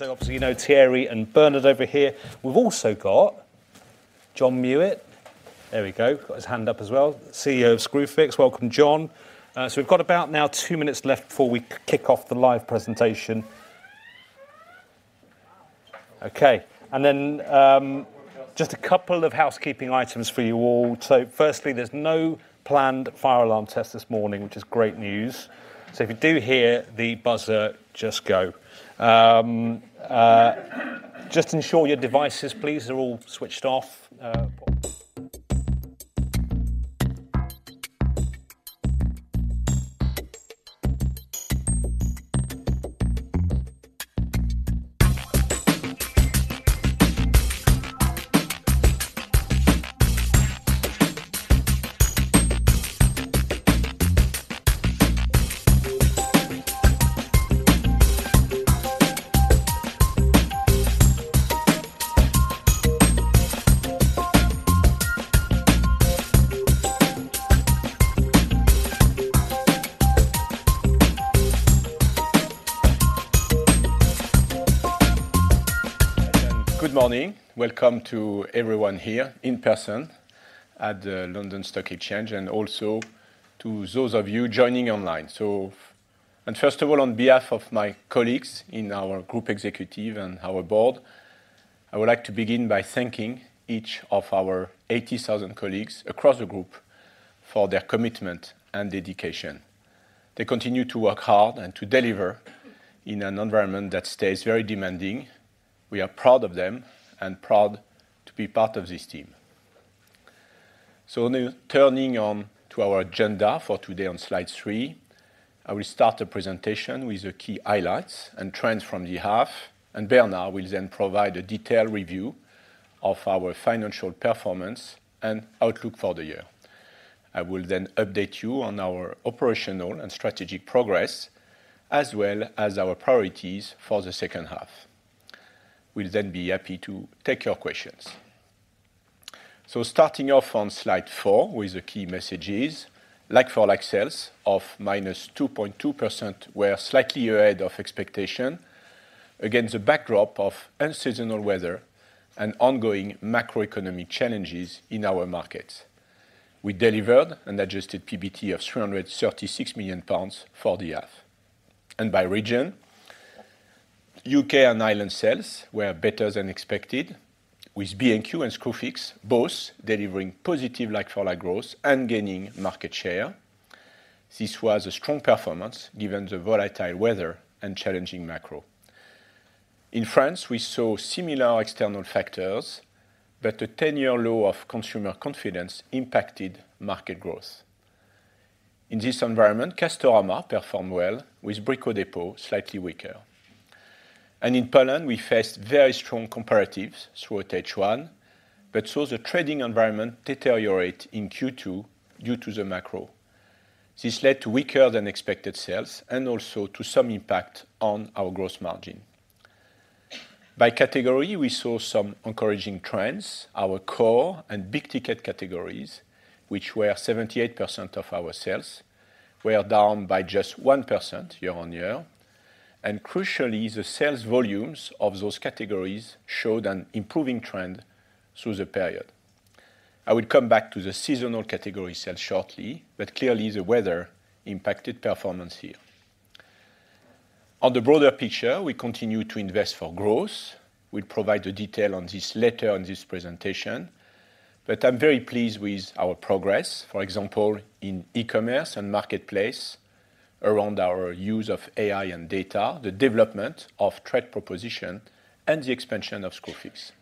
So obviously, you know, Thierry and Bernard over here. We've also got John Mewett. There we go. Got his hand up as well, CEO of Screwfix. Welcome, John. So we've got about now 2 minutes left before we kick off the live presentation. Okay, and then, just a couple of housekeeping items for you all. So firstly, there's no planned fire alarm test this morning, which is great news. So if you do hear the buzzer, just go. Just ensure your devices, please, are all switched off. Good morning. Welcome to everyone here in person at the London Stock Exchange, and also to those of you joining online. So, and first of all, on behalf of my colleagues in our group executive and our board, I would like to begin by thanking each of our 80,000 colleagues across the group for their commitment and dedication. They continue to work hard and to deliver in an environment that stays very demanding. We are proud of them and proud to be part of this team. So now, turning to our agenda for today on slide three, I will start the presentation with the key highlights and trends from the half, and Bernard will then provide a detailed review of our financial performance and outlook for the year. I will then update you on our operational and strategic progress, as well as our priorities for the second half. We'll then be happy to take your questions. Starting off on slide four, with the key messages, like-for-like sales of -2.2% were slightly ahead of expectation against the backdrop of unseasonal weather and ongoing macroeconomic challenges in our markets. We delivered an adjusted PBT of 336 million pounds for the half. By region, U.K. and Ireland sales were better than expected, with B&Q and Screwfix both delivering positive like-for-like growth and gaining market share. This was a strong performance given the volatile weather and challenging macro. In France, we saw similar external factors, but a 10-year low of consumer confidence impacted market growth. In this environment, Castorama performed well, with Brico Dépôt slightly weaker. In Poland, we faced very strong comparatives throughout H1, but saw the trading environment deteriorate in Q2 due to the macro. This led to weaker than expected sales and also to some impact on our gross margin. By category, we saw some encouraging trends. Our core and big ticket categories, which were 78% of our sales, were down by just 1% year-on-year. And crucially, the sales volumes of those categories showed an improving trend through the period. I will come back to the seasonal category sales shortly, but clearly, the weather impacted performance here. On the broader picture, we continue to invest for growth. We'll provide the detail on this later in this presentation, but I'm very pleased with our progress. For example, in e-commerce and marketplace, around our use of AI and data, the development of trade proposition, and the expansion of Screwfix.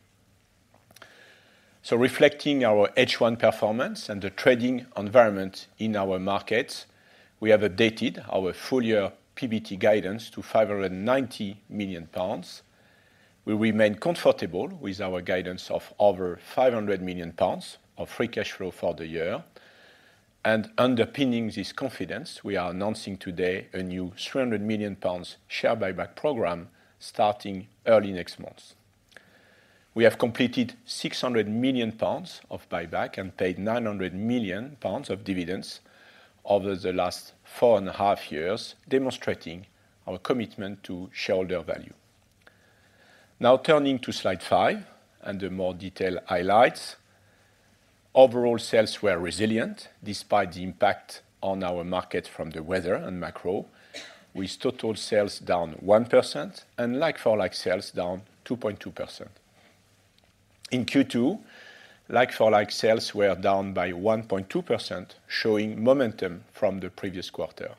Reflecting our H1 performance and the trading environment in our markets, we have updated our full-year PBT guidance to 590 million pounds. We remain comfortable with our guidance of over 500 million pounds of free cash flow for the year. Underpinning this confidence, we are announcing today a new 300 million pounds share buyback program starting early next month. We have completed 600 million pounds of buyback and paid 900 million pounds of dividends over the last four and a half years, demonstrating our commitment to shareholder value. Now, turning to slide 5 and the more detailed highlights. Overall, sales were resilient despite the impact on our market from the weather and macro, with total sales down 1% and like-for-like sales down 2.2%. In Q2, like-for-like sales were down by 1.2%, showing momentum from the previous quarter.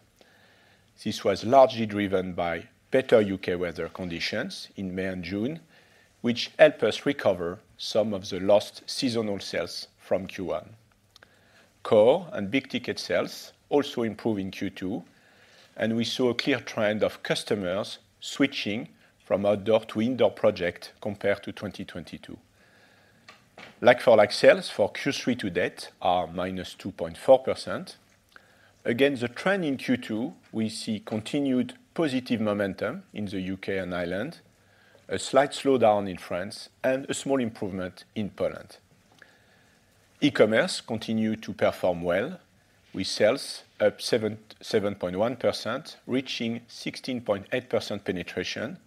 This was largely driven by better U.K. weather conditions in May and June, which helped us recover some of the lost seasonal sales from Q1. Core and big ticket sales also improved in Q2, and we saw a clear trend of customers switching from outdoor to indoor project compared to 2022. Like-for-like sales for Q3 to date are -2.4%. Again, the trend in Q2, we see continued positive momentum in the U.K. and Ireland, a slight slowdown in France, and a small improvement in Poland. E-commerce continued to perform well, with sales up 7.1%, reaching 16.8% penetration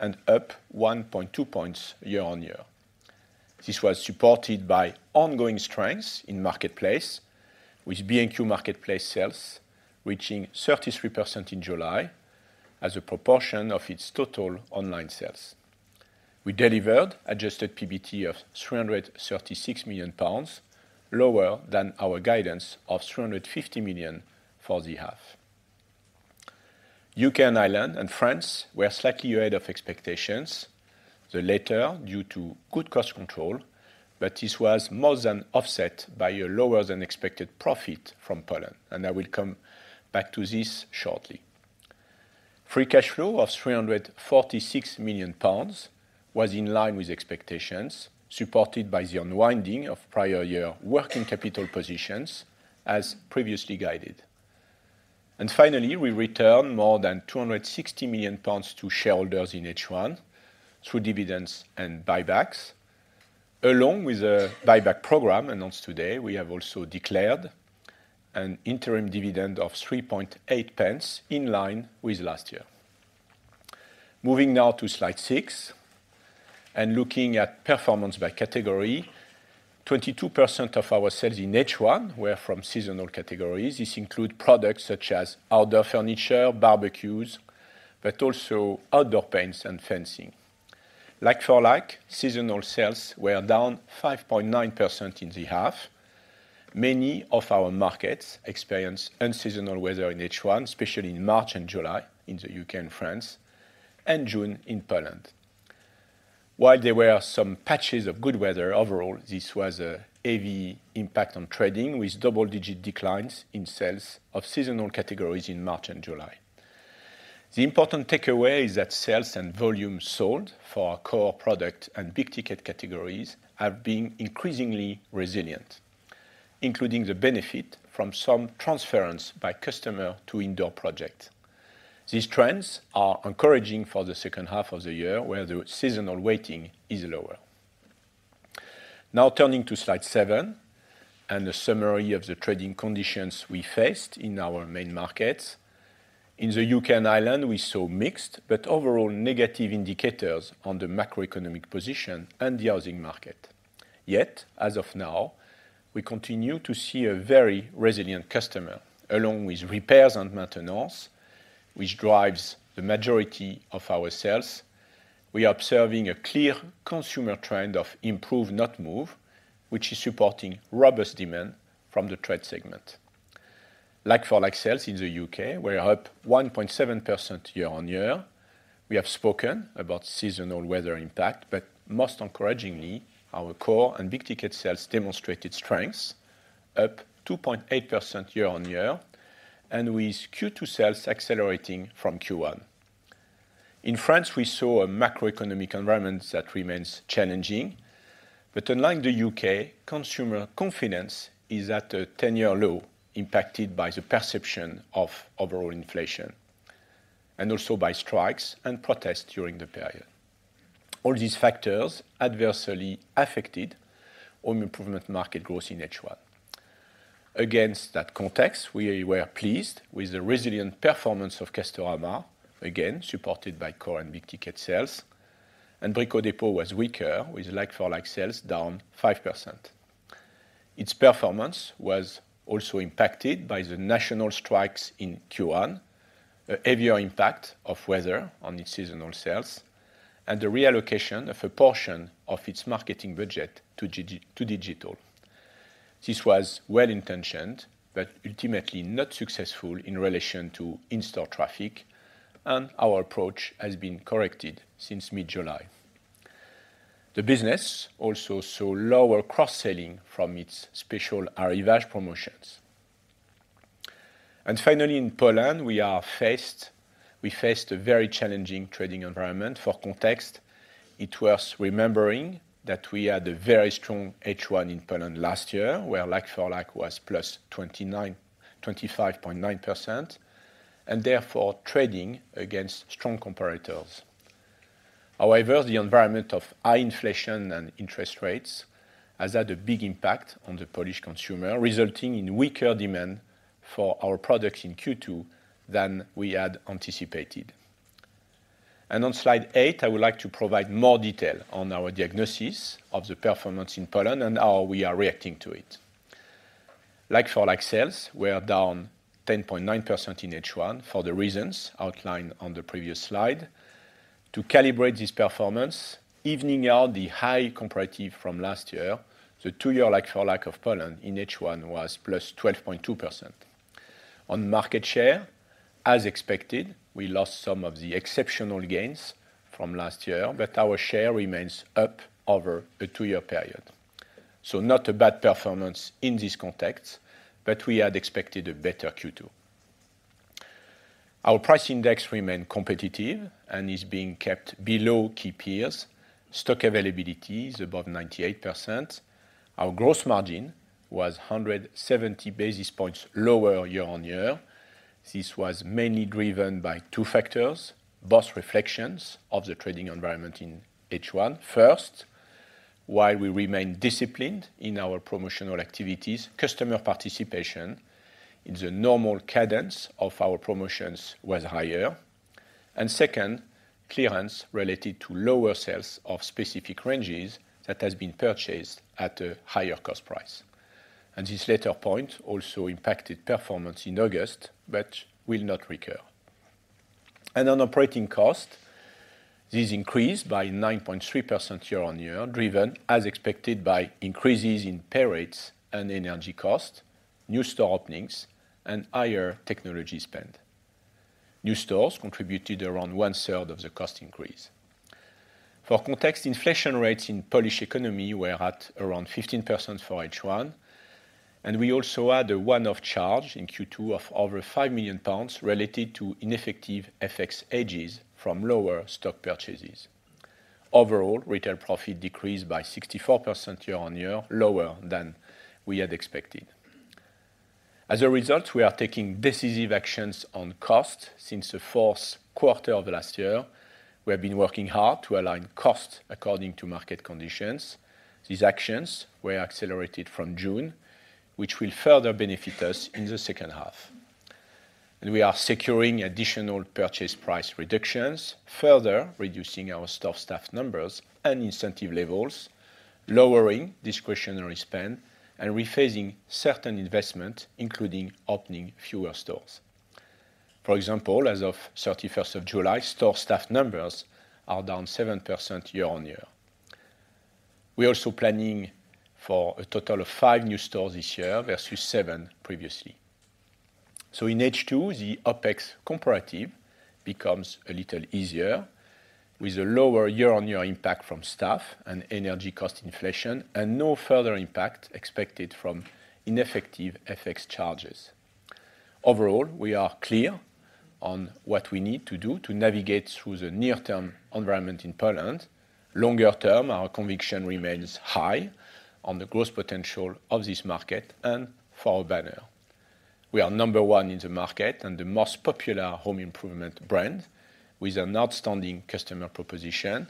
and up 1.2 points year-on-year. This was supported by ongoing strengths in Marketplace, with B&Q Marketplace sales reaching 33% in July as a proportion of its total online sales. We delivered adjusted PBT of 336 million pounds, lower than our guidance of 350 million for the half. UK and Ireland and France were slightly ahead of expectations, the latter due to good cost control, but this was more than offset by a lower-than-expected profit from Poland, and I will come back to this shortly. Free cash flow of 346 million pounds was in line with expectations, supported by the unwinding of prior year working capital positions, as previously guided. And finally, we returned more than 260 million pounds to shareholders in H1 through dividends and buybacks. Along with a buyback program announced today, we have also declared an interim dividend of 0.038, in line with last year. Moving now to slide six and looking at performance by category. 22% of our sales in H1 were from seasonal categories. This include products such as outdoor furniture, barbecues, but also outdoor paints and fencing. Like-for-like, seasonal sales were down 5.9% in the half. Many of our markets experienced unseasonal weather in H1, especially in March and July in the U.K. and France, and June in Poland. While there were some patches of good weather, overall, this was a heavy impact on trading, with double-digit declines in sales of seasonal categories in March and July. The important takeaway is that sales and volume sold for our core product and big ticket categories have been increasingly resilient, including the benefit from some transference by customer to indoor project. These trends are encouraging for the second half of the year, where the seasonal weighting is lower. Now turning to slide seven and a summary of the trading conditions we faced in our main markets. In the U.K. and Ireland, we saw mixed but overall negative indicators on the macroeconomic position and the housing market. Yet, as of now, we continue to see a very resilient customer, along with repairs and maintenance, which drives the majority of our sales. We are observing a clear consumer trend of improve, not move, which is supporting robust demand from the trade segment. Like-for-like sales in the U.K. were up 1.7% year-on-year. We have spoken about seasonal weather impact, but most encouragingly, our core and big ticket sales demonstrated strengths, up 2.8% year-on-year, and with Q2 sales accelerating from Q1. In France, we saw a macroeconomic environment that remains challenging, but unlike the U.K., consumer confidence is at a ten-year low, impacted by the perception of overall inflation and also by strikes and protests during the period. All these factors adversely affected home improvement market growth in H1. Against that context, we were pleased with the resilient performance of Castorama, again, supported by core and big ticket sales. Brico Dépôt was weaker, with like-for-like sales down 5%. Its performance was also impacted by the national strikes in Q1, a heavier impact of weather on its seasonal sales, and the reallocation of a portion of its marketing budget to digital. This was well-intentioned, but ultimately not successful in relation to in-store traffic, and our approach has been corrected since mid-July. The business also saw lower cross-selling from its special arrivage promotions. And finally, in Poland, we faced a very challenging trading environment. For context, it's worth remembering that we had a very strong H1 in Poland last year, where like-for-like was plus 25.9%, and therefore trading against strong comparators. However, the environment of high inflation and interest rates has had a big impact on the Polish consumer, resulting in weaker demand for our products in Q2 than we had anticipated. And on slide 8, I would like to provide more detail on our diagnosis of the performance in Poland and how we are reacting to it. Like-for-like sales were down 10.9% in H1 for the reasons outlined on the previous slide. To calibrate this performance, evening out the high comparative from last year, the two-year like-for-like of Poland in H1 was +12.2%. On market share, as expected, we lost some of the exceptional gains from last year, but our share remains up over a two-year period. Not a bad performance in this context, we had expected a better Q2. Our price index remains competitive and is being kept below key peers. Stock availability is above 98%. Our gross margin was 170 basis points lower year-on-year. This was mainly driven by two factors, both reflections of the trading environment in H1. First, while we remain disciplined in our promotional activities, customer participation in the normal cadence of our promotions was higher. Second, clearance related to lower sales of specific ranges that has been purchased at a higher cost price. This latter point also impacted performance in August, but will not recur. On operating cost, this increased by 9.3% year-on-year, driven, as expected, by increases in pay rates and energy costs, new store openings, and higher technology spend. New stores contributed around one-third of the cost increase. For context, inflation rates in Polish economy were at around 15% for H1, and we also had a one-off charge in Q2 of over 5 million pounds related to ineffective FX hedges from lower stock purchases. Overall, retail profit decreased by 64% year-on-year, lower than we had expected. As a result, we are taking decisive actions on cost. Since the fourth quarter of last year, we have been working hard to align cost according to market conditions. These actions were accelerated from June, which will further benefit us in the second half. We are securing additional purchase price reductions, further reducing our store staff numbers and incentive levels, lowering discretionary spend, and rephasing certain investment, including opening fewer stores. For example, as of July 31st, store staff numbers are down 7% year-over-year. We're also planning for a total of 5 new stores this year versus 7 previously. In H2, the OpEx comparative becomes a little easier, with a lower year-over-year impact from staff and energy cost inflation, and no further impact expected from ineffective FX charges. Overall, we are clear on what we need to do to navigate through the near-term environment in Poland. Longer term, our conviction remains high on the growth potential of this market and for our banner. We are number one in the market and the most popular home improvement brand with an outstanding customer proposition.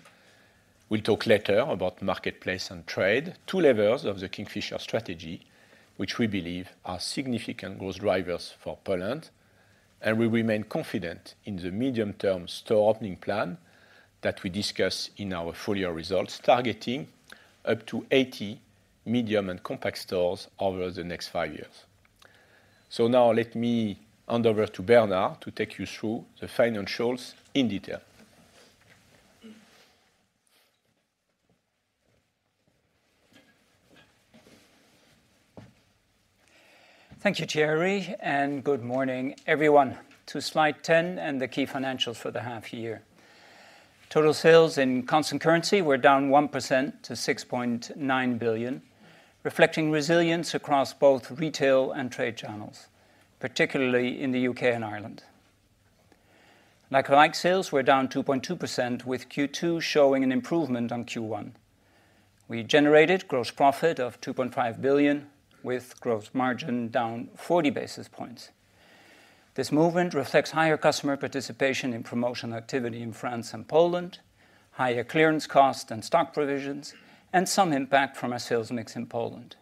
We'll talk later about marketplace and trade, two levers of the Kingfisher strategy, which we believe are significant growth drivers for Poland, and we remain confident in the medium-term store opening plan that we discussed in our full-year results, targeting up to 80 medium and compact stores over the next five years. So now let me hand over to Bernard to take you through the financials in detail. Thank you, Thierry, and good morning, everyone. To slide ten and the key financials for the half year. Total sales in constant currency were down 1% to 6.9 billion, reflecting resilience across both retail and trade channels, particularly in the U.K. and Ireland. Like-for-like sales were down 2.2%, with Q2 showing an improvement on Q1. We generated gross profit of 2.5 billion, with gross margin down 40 basis points. This movement reflects higher customer participation in promotional activity in France and Poland, higher clearance costs and stock provisions, and some impact from our sales mix in Poland.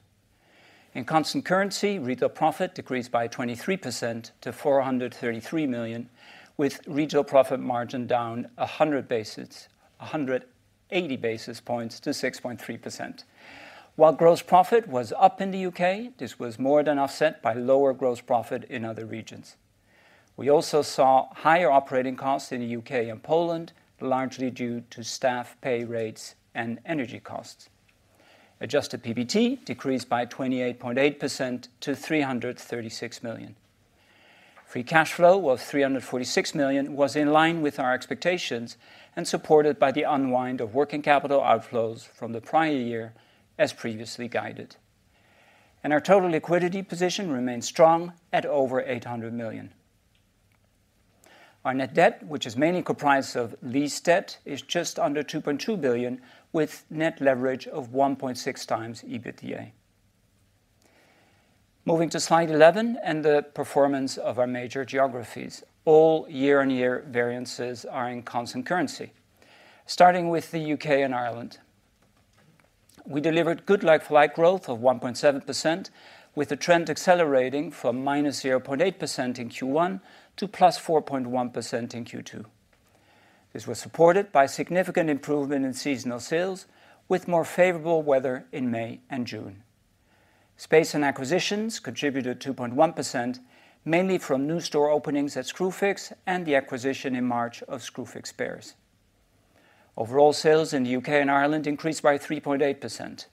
In constant currency, retail profit decreased by 23% to 433 million, with regional profit margin down 180 basis points to 6.3%. While gross profit was up in the U.K., this was more than offset by lower gross profit in other regions. We also saw higher operating costs in the U.K. and Poland, largely due to staff pay rates and energy costs. Adjusted PBT decreased by 28.8% to 336 million. Free cash flow was 346 million, was in line with our expectations and supported by the unwind of working capital outflows from the prior year, as previously guided. Our total liquidity position remains strong at over 800 million. Our net debt, which is mainly comprised of lease debt, is just under 2.2 billion, with net leverage of 1.6x EBITDA. Moving to slide 11 and the performance of our major geographies. All year-on-year variances are in constant currency. Starting with the U.K. and Ireland, we delivered good like-for-like growth of 1.7%, with the trend accelerating from -0.8% in Q1 to +4.1% in Q2. This was supported by significant improvement in seasonal sales, with more favorable weather in May and June. Space and acquisitions contributed 2.1%, mainly from new store openings at Screwfix and the acquisition in March of Screwfix Spares. Overall, sales in the U.K. and Ireland increased by 3.8%.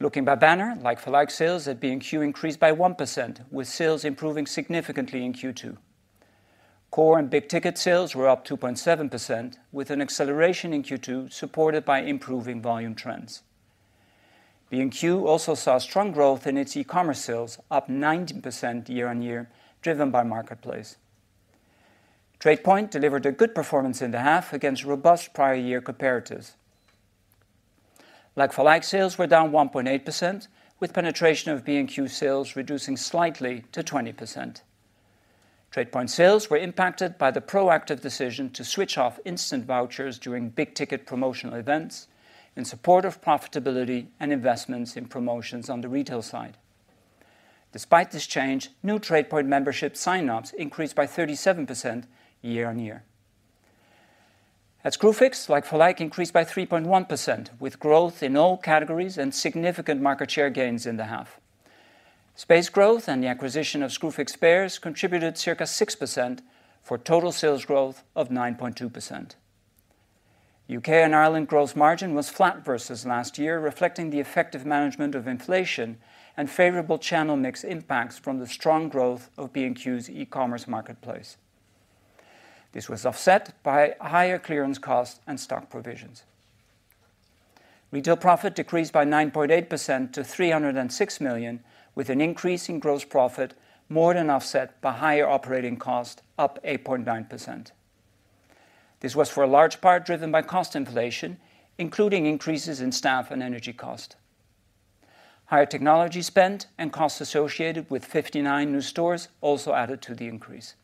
Looking by banner, like-for-like sales at B&Q increased by 1%, with sales improving significantly in Q2. Core and big ticket sales were up 2.7%, with an acceleration in Q2, supported by improving volume trends. B&Q also saw strong growth in its e-commerce sales, up 19% year-over-year, driven by marketplace. TradePoint delivered a good performance in the half against robust prior year comparatives. Like-for-like sales were down 1.8%, with penetration of B&Q sales reducing slightly to 20%. TradePoint sales were impacted by the proactive decision to switch off instant vouchers during big-ticket promotional events in support of profitability and investments in promotions on the retail side. Despite this change, new TradePoint membership sign-ups increased by 37% year-on-year. At Screwfix, like-for-like increased by 3.1%, with growth in all categories and significant market share gains in the half. Space growth and the acquisition of Screwfix Spares contributed circa 6% for total sales growth of 9.2%. U.K. and Ireland gross margin was flat versus last year, reflecting the effective management of inflation and favorable channel mix impacts from the strong growth of B&Q's e-commerce marketplace. This was offset by higher clearance costs and stock provisions. Retail profit decreased by 9.8% to 306 million, with an increase in gross profit more than offset by higher operating costs, up 8.9%. This was for a large part driven by cost inflation, including increases in staff and energy cost. Higher technology spend and costs associated with 59 new stores also added to the increase.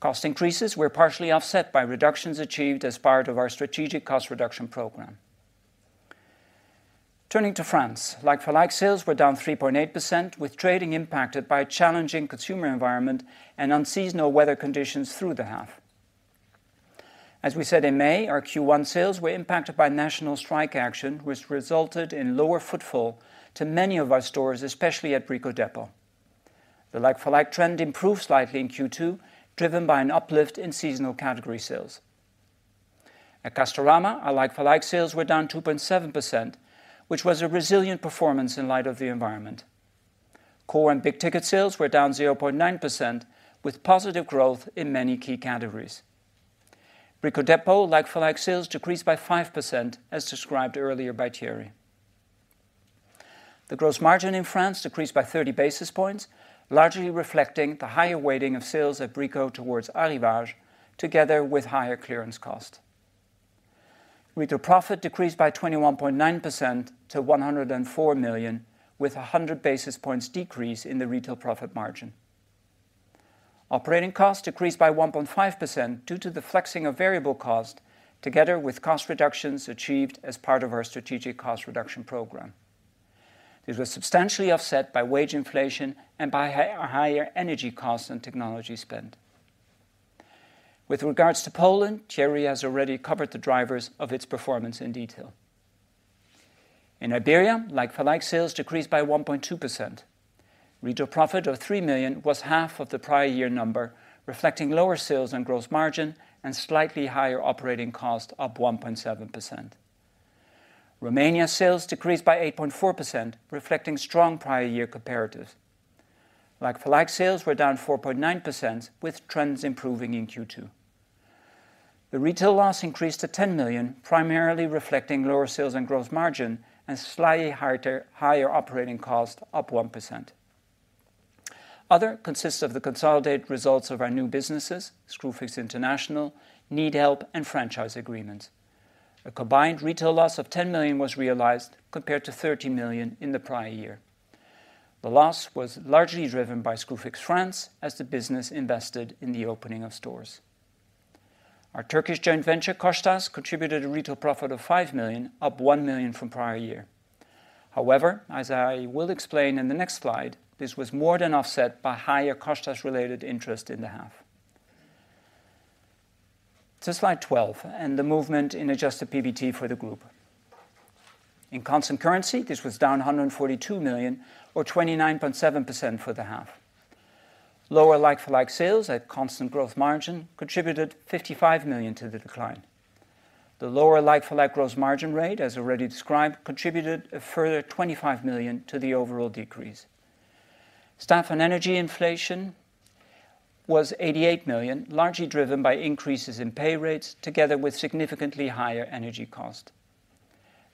Cost increases were partially offset by reductions achieved as part of our strategic cost reduction program. Turning to France, like-for-like sales were down 3.8%, with trading impacted by a challenging consumer environment and unseasonal weather conditions through the half. As we said in May, our Q1 sales were impacted by national strike action, which resulted in lower footfall to many of our stores, especially at Brico Dépôt. The like-for-like trend improved slightly in Q2, driven by an uplift in seasonal category sales. At Castorama, our like-for-like sales were down 2.7%, which was a resilient performance in light of the environment. Core and big-ticket sales were down 0.9%, with positive growth in many key categories. Brico Dépôt like-for-like sales decreased by 5%, as described earlier by Thierry. The gross margin in France decreased by 30 basis points, largely reflecting the higher weighting of sales at Brico Dépôt towards arrivage, together with higher clearance cost. Retail profit decreased by 21.9% to 104 million, with a 100 basis points decrease in the retail profit margin. Operating costs decreased by 1.5% due to the flexing of variable cost, together with cost reductions achieved as part of our strategic cost reduction program. This was substantially offset by wage inflation and by higher energy costs and technology spend. With regards to Poland, Thierry has already covered the drivers of its performance in detail. In Iberia, like-for-like sales decreased by 1.2%. Retail profit of 3 million was half of the prior year number, reflecting lower sales and gross margin and slightly higher operating costs, up 1.7%. Romania sales decreased by 8.4%, reflecting strong prior year comparatives. Like-for-like sales were down 4.9%, with trends improving in Q2. The retail loss increased to 10 million, primarily reflecting lower sales and gross margin and slightly higher operating costs, up 1%. Other consists of the consolidated results of our new businesses, Screwfix International, NeedHelp, and franchise agreements. A combined retail loss of 10 million was realized, compared to 30 million in the prior year. The loss was largely driven by Screwfix France as the business invested in the opening of stores. Our Turkish joint venture, Koçtaş, contributed a retail profit of 5 million, up 1 million from prior year. However, as I will explain in the next slide, this was more than offset by higher Koçtaş-related interest in the half. To slide 12 and the movement in adjusted PBT for the group. In constant currency, this was down 142 million, or 29.7% for the half. Lower like-for-like sales at constant growth margin contributed 55 million to the decline. The lower like-for-like gross margin rate, as already described, contributed a further 25 million to the overall decrease. Staff and energy inflation was 88 million, largely driven by increases in pay rates, together with significantly higher energy cost.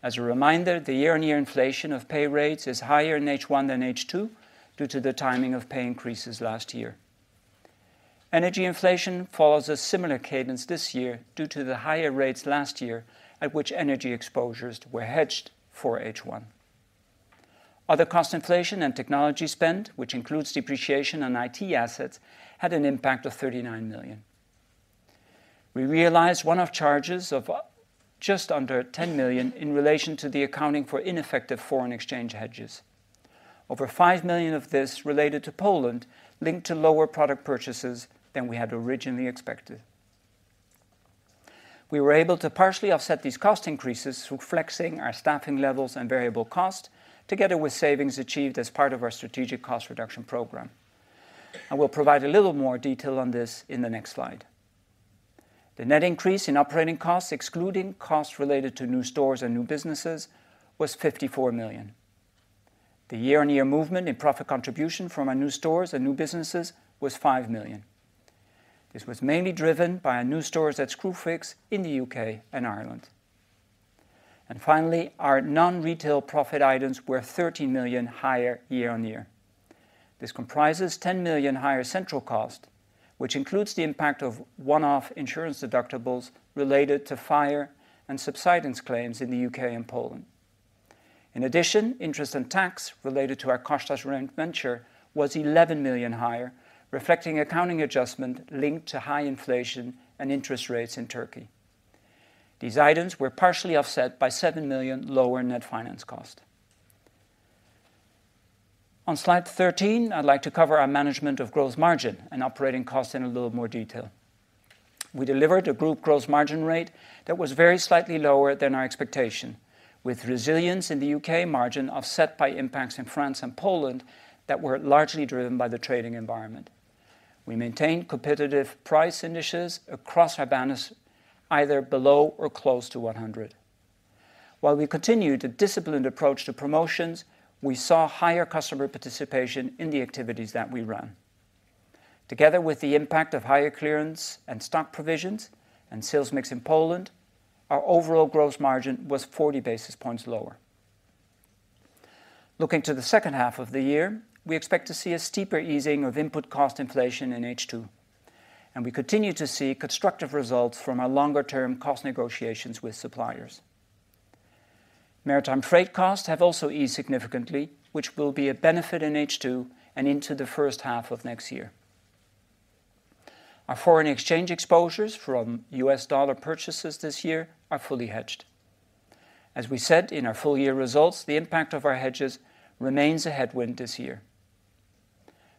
As a reminder, the year-on-year inflation of pay rates is higher in H1 than H2 due to the timing of pay increases last year. Energy inflation follows a similar cadence this year due to the higher rates last year at which energy exposures were hedged for H1. Other cost inflation and technology spend, which includes depreciation on IT assets, had an impact of 39 million. We realized one-off charges of just under 10 million in relation to the accounting for ineffective foreign exchange hedges. Over 5 million of this related to Poland, linked to lower product purchases than we had originally expected. We were able to partially offset these cost increases through flexing our staffing levels and variable cost, together with savings achieved as part of our strategic cost reduction program. I will provide a little more detail on this in the next slide. The net increase in operating costs, excluding costs related to new stores and new businesses, was 54 million. The year-on-year movement in profit contribution from our new stores and new businesses was 5 million. This was mainly driven by our new stores at Screwfix in the U.K. and Ireland. And finally, our non-retail profit items were 13 million higher year on year. This comprises 10 million higher central cost, which includes the impact of one-off insurance deductibles related to fire and subsidence claims in the U.K. and Poland. In addition, interest and tax related to our Koçtaş joint venture was 11 million higher, reflecting accounting adjustment linked to high inflation and interest rates in Turkey. These items were partially offset by 7 million lower net finance cost. On slide 13, I'd like to cover our management of gross margin and operating costs in a little more detail. We delivered a group gross margin rate that was very slightly lower than our expectation, with resilience in the U.K. margin offset by impacts in France and Poland that were largely driven by the trading environment. We maintained competitive price initiatives across our banners, either below or close to 100. While we continued a disciplined approach to promotions, we saw higher customer participation in the activities that we run. Together with the impact of higher clearance and stock provisions and sales mix in Poland, our overall gross margin was 40 basis points lower. Looking to the second half of the year, we expect to see a steeper easing of input cost inflation in H2, and we continue to see constructive results from our longer-term cost negotiations with suppliers. Maritime freight costs have also eased significantly, which will be a benefit in H2 and into the first half of next year. Our foreign exchange exposures from U.S. dollar purchases this year are fully hedged. As we said in our full year results, the impact of our hedges remains a headwind this year.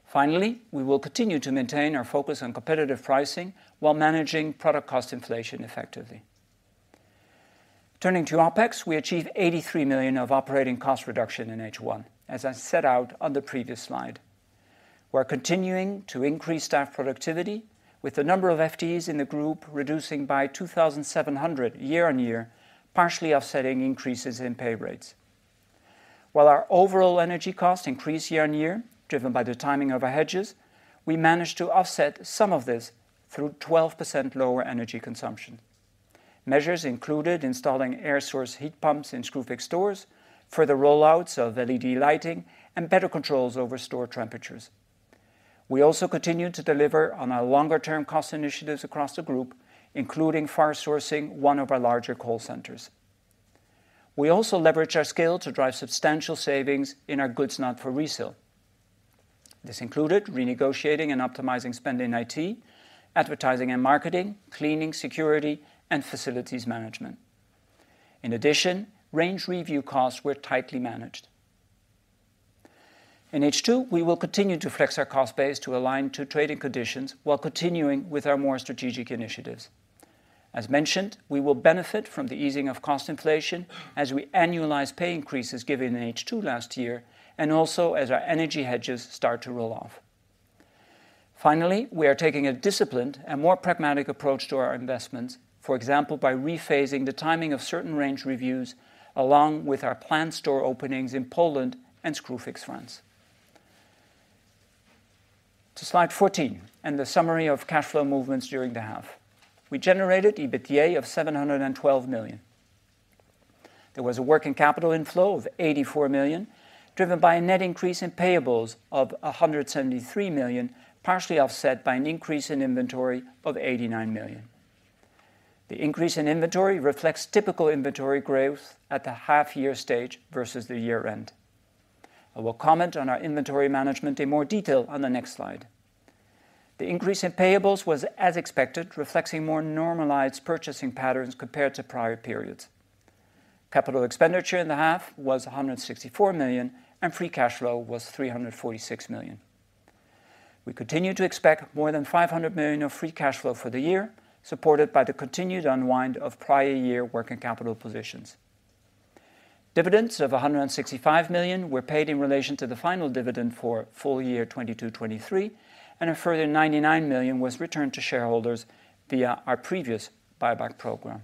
Finally, we will continue to maintain our focus on competitive pricing while managing product cost inflation effectively. Turning to OpEx, we achieved 83 million of operating cost reduction in H1, as I set out on the previous slide. We're continuing to increase staff productivity, with the number of FTEs in the group reducing by 2,700 year-on-year, partially offsetting increases in pay rates. While our overall energy costs increased year-on-year, driven by the timing of our hedges, we managed to offset some of this through 12% lower energy consumption. Measures included installing air source heat pumps in Screwfix stores, further rollouts of LED lighting, and better controls over store temperatures. We also continued to deliver on our longer-term cost initiatives across the group, including offshoring one of our larger call centers. We also leveraged our scale to drive substantial savings in our goods not for resale. This included renegotiating and optimizing spend in IT, advertising and marketing, cleaning, security, and facilities management. In addition, range review costs were tightly managed. In H2, we will continue to flex our cost base to align to trading conditions while continuing with our more strategic initiatives. As mentioned, we will benefit from the easing of cost inflation as we annualize pay increases given in H2 last year, and also as our energy hedges start to roll off. Finally, we are taking a disciplined and more pragmatic approach to our investments, for example, by rephasing the timing of certain range reviews, along with our planned store openings in Poland and Screwfix France. To slide 14 and the summary of cash flow movements during the half. We generated EBITDA of 712 million. There was a working capital inflow of 84 million, driven by a net increase in payables of 173 million, partially offset by an increase in inventory of 89 million. The increase in inventory reflects typical inventory growth at the half year stage versus the year-end. I will comment on our inventory management in more detail on the next slide. The increase in payables was as expected, reflecting more normalized purchasing patterns compared to prior periods. Capital expenditure in the half was 164 million, and free cash flow was 346 million. We continue to expect more than 500 million of free cash flow for the year, supported by the continued unwind of prior year working capital positions. Dividends of 165 million were paid in relation to the final dividend for full year 2022, 2023, and a further 99 million was returned to shareholders via our previous buyback program.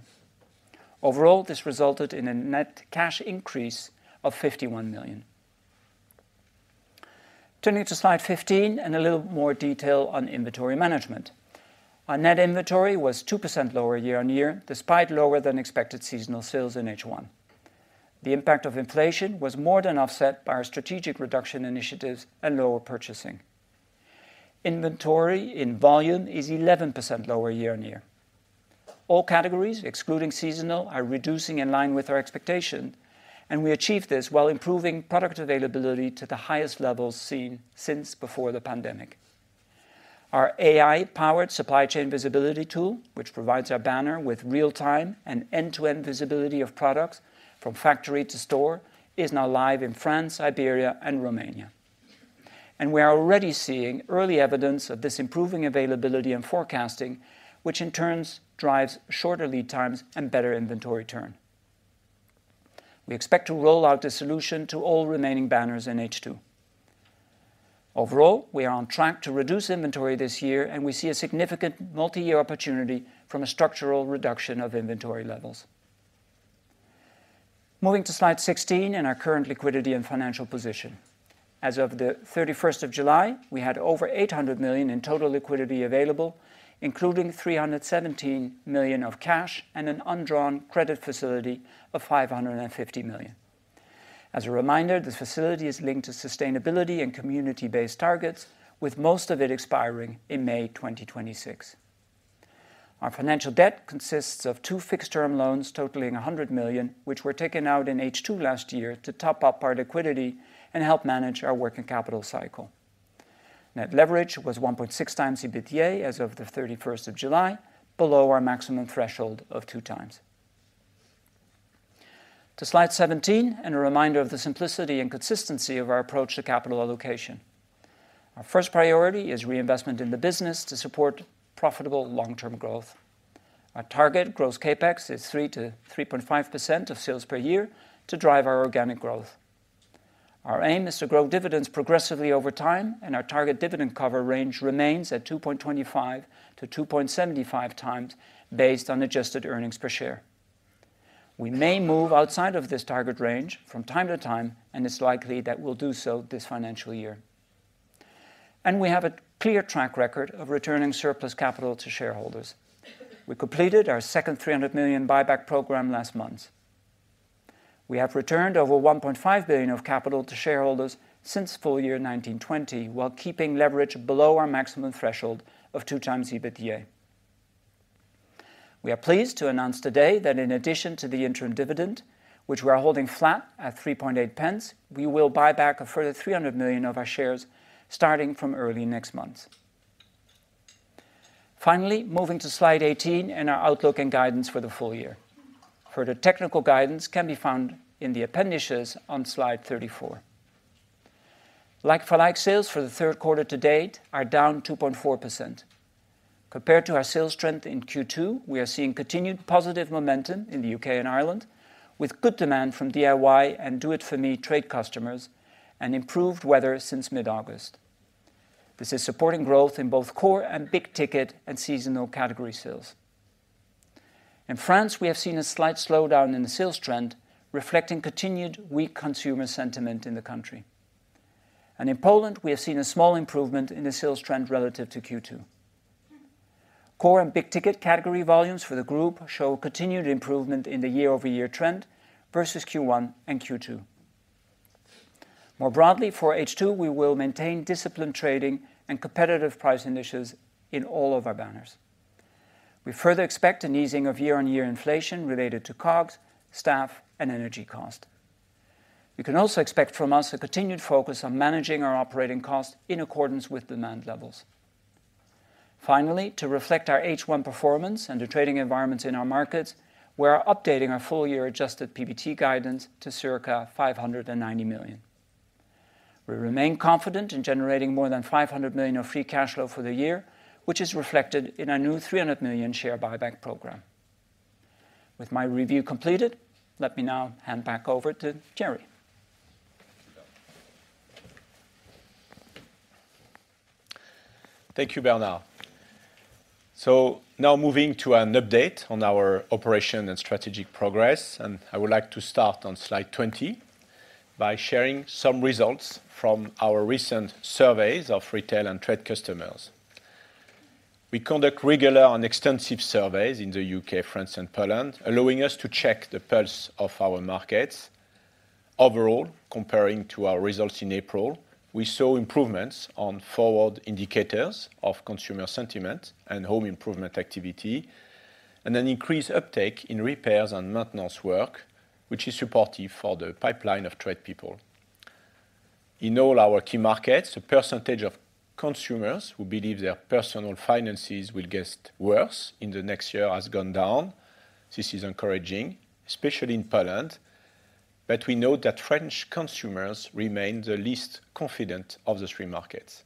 Overall, this resulted in a net cash increase of 51 million. Turning to slide 15 and a little more detail on inventory management. Our net inventory was 2% lower year-on-year, despite lower than expected seasonal sales in H1. The impact of inflation was more than offset by our strategic reduction initiatives and lower purchasing. Inventory in volume is 11% lower year-on-year. All categories, excluding seasonal, are reducing in line with our expectation, and we achieved this while improving product availability to the highest levels seen since before the pandemic. Our AI-powered supply chain visibility tool, which provides our banner with real-time and end-to-end visibility of products from factory to store, is now live in France, Iberia, and Romania. We are already seeing early evidence of this improving availability and forecasting, which in turn drives shorter lead times and better inventory turn. We expect to roll out this solution to all remaining banners in H2. Overall, we are on track to reduce inventory this year, and we see a significant multi-year opportunity from a structural reduction of inventory levels. Moving to slide 16 and our current liquidity and financial position. As of July 31, we had over 800 million in total liquidity available, including 317 million of cash and an undrawn credit facility of 550 million. As a reminder, this facility is linked to sustainability and community-based targets, with most of it expiring in May 2026. Our financial debt consists of two fixed-term loans totaling 100 million, which were taken out in H2 last year to top up our liquidity and help manage our working capital cycle. Net leverage was 1.6x EBITDA as of July 31, below our maximum threshold of 2x. To slide 17, and a reminder of the simplicity and consistency of our approach to capital allocation. Our first priority is reinvestment in the business to support profitable long-term growth. Our target gross CapEx is 3%-3.5% of sales per year to drive our organic growth. Our aim is to grow dividends progressively over time, and our target dividend cover range remains at 2.25-2.75x, based on adjusted earnings per share. We may move outside of this target range from time to time, and it's likely that we'll do so this financial year. We have a clear track record of returning surplus capital to shareholders. We completed our second 300 million buyback program last month. We have returned over 1.5 billion of capital to shareholders since full year 2020, while keeping leverage below our maximum threshold of 2x EBITDA. We are pleased to announce today that in addition to the interim dividend, which we are holding flat at 0.038, we will buy back a further 300 million of our shares, starting from early next month. Finally, moving to slide 18 and our outlook and guidance for the full year. Further technical guidance can be found in the appendices on slide 34. Like-for-like sales for the third quarter to date are down 2.4%. Compared to our sales trend in Q2, we are seeing continued positive momentum in the U.K. and Ireland, with good demand from DIY and Do It For Me trade customers and improved weather since mid-August. This is supporting growth in both core and big-ticket and seasonal category sales. In France, we have seen a slight slowdown in the sales trend, reflecting continued weak consumer sentiment in the country. In Poland, we have seen a small improvement in the sales trend relative to Q2. Core and big-ticket category volumes for the group show continued improvement in the year-over-year trend versus Q1 and Q2. More broadly, for H2, we will maintain disciplined trading and competitive price initiatives in all of our banners. We further expect an easing of year-on-year inflation related to COGS, staff, and energy cost. You can also expect from us a continued focus on managing our operating costs in accordance with demand levels. Finally, to reflect our H1 performance and the trading environments in our markets, we are updating our full year adjusted PBT guidance to circa 590 million. We remain confident in generating more than 500 million of free cash flow for the year, which is reflected in our new 300 million share buyback program. With my review completed, let me now hand back over to Thierry. Thank you, Bernard. Now moving to an update on our operation and strategic progress, I would like to start on slide 20 by sharing some results from our recent surveys of retail and trade customers. We conduct regular and extensive surveys in the U.K., France, and Poland, allowing us to check the pulse of our markets. Overall, compared to our results in April, we saw improvements on forward indicators of consumer sentiment and home improvement activity, and an increased uptake in repairs and maintenance work, which is supportive for the pipeline of trade people. In all our key markets, the percentage of consumers who believe their personal finances will get worse in the next year has gone down. This is encouraging, especially in Poland, but we know that French consumers remain the least confident of the three markets.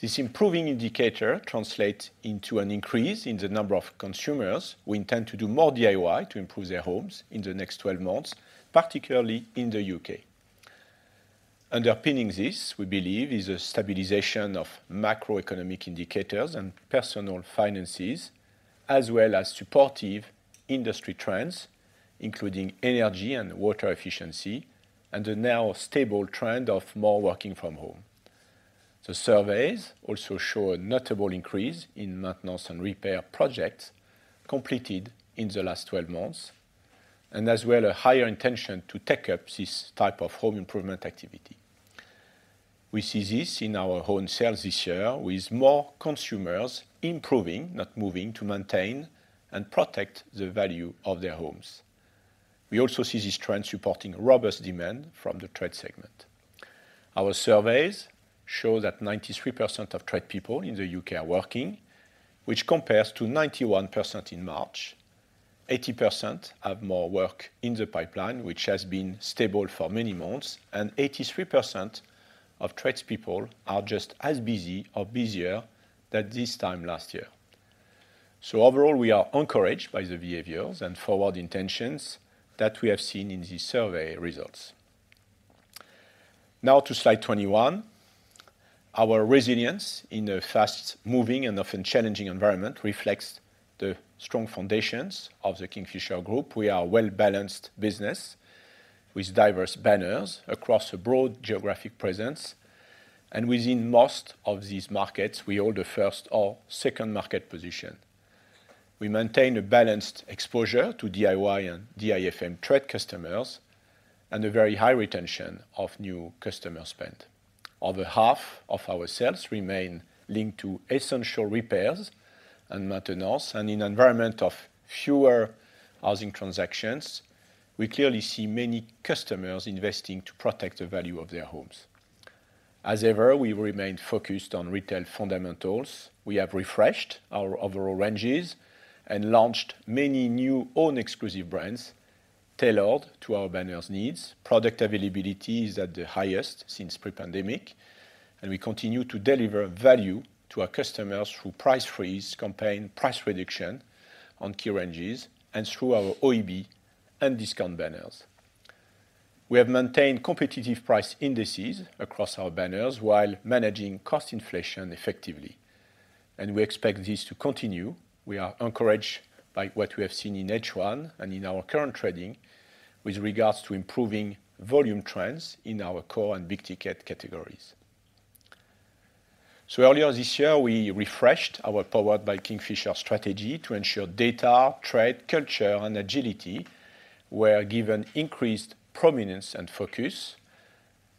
This improving indicator translate into an increase in the number of consumers who intend to do more DIY to improve their homes in the next 12 months, particularly in the U.K. Underpinning this, we believe, is a stabilization of macroeconomic indicators and personal finances, as well as supportive industry trends, including energy and water efficiency, and the now stable trend of more working from home. The surveys also show a notable increase in maintenance and repair projects completed in the last 12 months, and as well, a higher intention to take up this type of home improvement activity. We see this in our home sales this year, with more consumers improving, not moving, to maintain and protect the value of their homes. We also see this trend supporting robust demand from the trade segment. Our surveys show that 93% of trade people in the U.K. are working, which compares to 91% in March. 80% have more work in the pipeline, which has been stable for many months, and 83% of tradespeople are just as busy or busier than this time last year. So overall, we are encouraged by the behaviors and forward intentions that we have seen in these survey results. Now to slide 21, our resilience in a fast-moving and often challenging environment reflects the strong foundations of the Kingfisher Group. We are a well-balanced business with diverse banners across a broad geographic presence, and within most of these markets, we hold a first or second market position. We maintain a balanced exposure to DIY and DIFM trade customers, and a very high retention of new customer spend. Over half of our sales remain linked to essential repairs and maintenance, and in an environment of fewer housing transactions, we clearly see many customers investing to protect the value of their homes. As ever, we remain focused on retail fundamentals. We have refreshed our overall ranges and launched many new own exclusive brands tailored to our banners' needs. Product availability is at the highest since pre-pandemic, and we continue to deliver value to our customers through price freeze campaign, price reduction on key ranges, and through our OEB and discount banners. We have maintained competitive price indices across our banners while managing cost inflation effectively, and we expect this to continue. We are encouraged by what we have seen in H1 and in our current trading with regards to improving volume trends in our core and big ticket categories. So earlier this year, we refreshed our Powered by Kingfisher strategy to ensure data, trade, culture, and agility were given increased prominence and focus.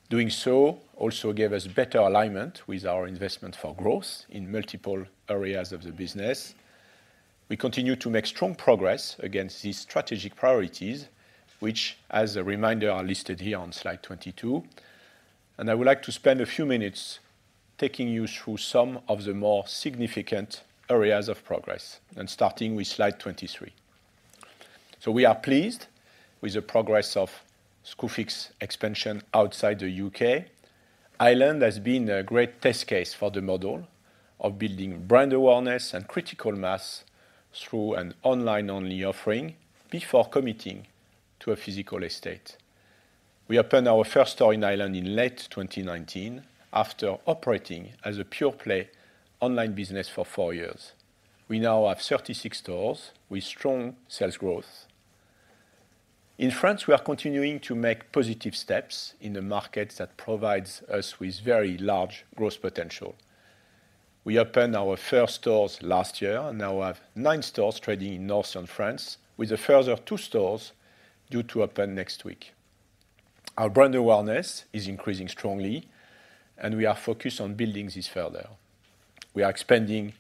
Doing so also gave us better alignment with our investment for growth in multiple areas of the business. We continue to make strong progress against these strategic priorities, which, as a reminder, are listed here on slide 22, and I would like to spend a few minutes taking you through some of the more significant areas of progress and starting with slide 23. So we are pleased with the progress of Screwfix expansion outside the U.K. Ireland has been a great test case for the model of building brand awareness and critical mass through an online-only offering before committing to a physical estate. We opened our first store in Ireland in late 2019 after operating as a pure-play online business for four years. We now have 36 stores with strong sales growth. In France, we are continuing to make positive steps in the market that provides us with very large growth potential. We opened our first stores last year and now have nine stores trading in Northern France, with a further two stores due to open next week. Our brand awareness is increasing strongly, and we are focused on building this further. We are expanding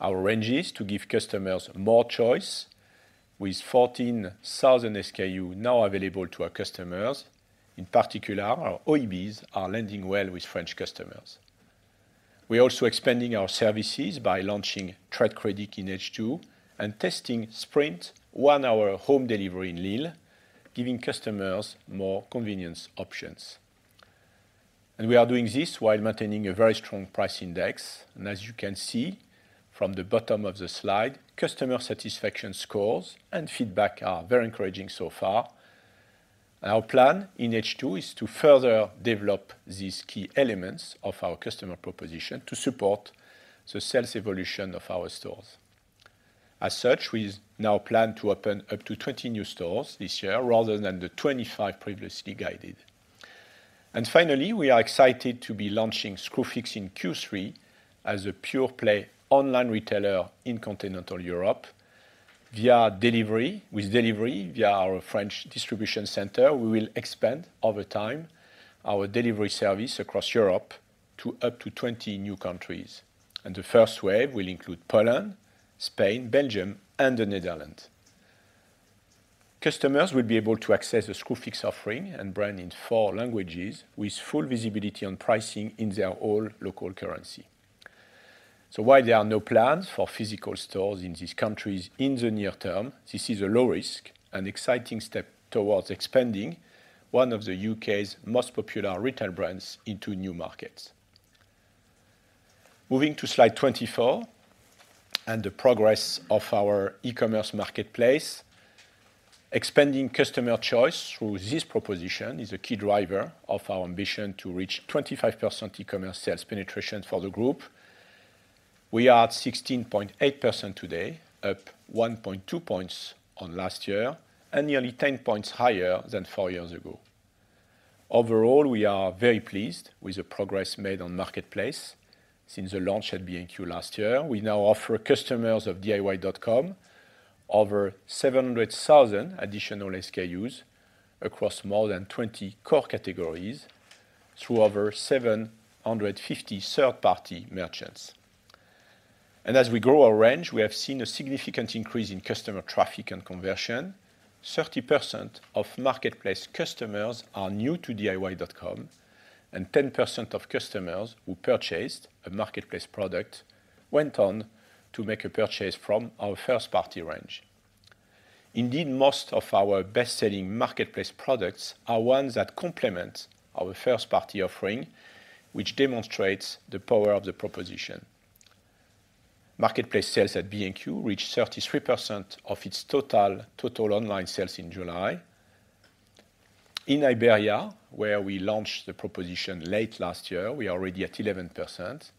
our ranges to give customers more choice with 14,000 SKU now available to our customers. In particular, our OEBs are landing well with French customers. We are also expanding our services by launching Trade Credit in H2 and testing Sprint 1-hour home delivery in Lille, giving customers more convenience options. We are doing this while maintaining a very strong price index. As you can see from the bottom of the slide, customer satisfaction scores and feedback are very encouraging so far. Our plan in H2 is to further develop these key elements of our customer proposition to support the sales evolution of our stores. As such, we now plan to open up to 20 new stores this year rather than the 25 previously guided. And finally, we are excited to be launching Screwfix in Q3 as a pure-play online retailer in continental Europe via delivery. With delivery via our French distribution center, we will expand over time our delivery service across Europe to up to 20 new countries, and the first wave will include Poland, Spain, Belgium, and the Netherlands. Customers will be able to access a Screwfix offering and brand in four languages, with full visibility on pricing in their own local currency. While there are no plans for physical stores in these countries in the near term, this is a low-risk and exciting step towards expanding one of the U.K.'s most popular retail brands into new markets. Moving to slide 24 and the progress of our e-commerce marketplace. Expanding customer choice through this proposition is a key driver of our ambition to reach 25% e-commerce sales penetration for the group. We are at 16.8% today, up 1.2 percentage points on last year and nearly 10 percentage points higher than four years ago. Overall, we are very pleased with the progress made on Marketplace since the launch at B&Q last year. We now offer customers of DIY.com over 700,000 additional SKUs across more than 20 core categories, through over 750 third-party merchants. And as we grow our range, we have seen a significant increase in customer traffic and conversion. 30% of Marketplace customers are new to DIY.com, and 10% of customers who purchased a Marketplace product went on to make a purchase from our first-party range. Indeed, most of our best-selling Marketplace products are ones that complement our first-party offering, which demonstrates the power of the proposition. Marketplace sales at B&Q reached 33% of its total, total online sales in July. In Iberia, where we launched the proposition late last year, we are already at 11%,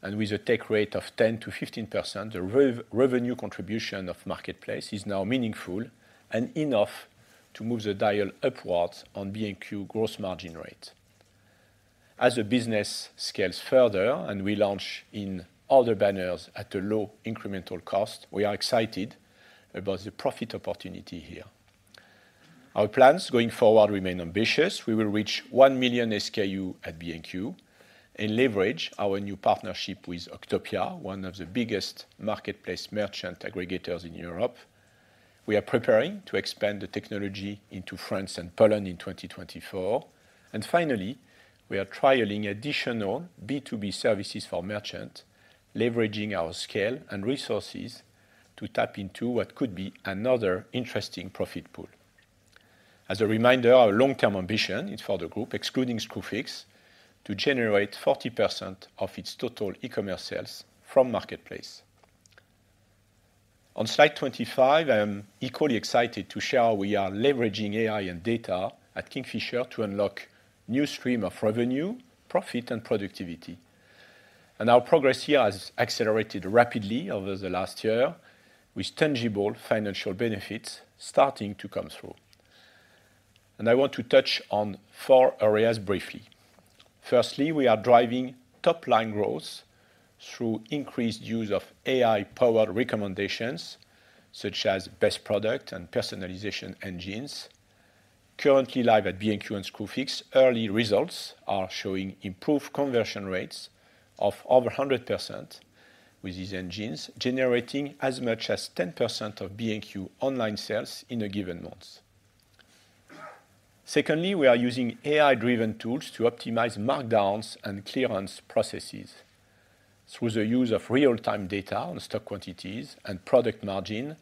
and with a take rate of 10%-15%, the revenue contribution of Marketplace is now meaningful and enough to move the dial upwards on B&Q gross margin rate. As the business scales further and we launch in other banners at a low incremental cost, we are excited about the profit opportunity here. Our plans going forward remain ambitious. We will reach 1 million SKU at B&Q and leverage our new partnership with Octopia, one of the biggest marketplace merchant aggregators in Europe. We are preparing to expand the technology into France and Poland in 2024. And finally, we are trialing additional B2B services for merchant, leveraging our scale and resources to tap into what could be another interesting profit pool. As a reminder, our long-term ambition is for the group, excluding Screwfix, to generate 40% of its total e-commerce sales from Marketplace. On slide 25, I am equally excited to share how we are leveraging AI and data at Kingfisher to unlock new stream of revenue, profit, and productivity. Our progress here has accelerated rapidly over the last year, with tangible financial benefits starting to come through. I want to touch on four areas briefly. Firstly, we are driving top-line growth through increased use of AI-powered recommendations, such as best product and personalization engines. Currently live at B&Q and Screwfix, early results are showing improved conversion rates of over 100%, with these engines generating as much as 10% of B&Q online sales in a given month. Secondly, we are using AI-driven tools to optimize markdowns and clearance processes. Through the use of real-time data on stock quantities and product margin,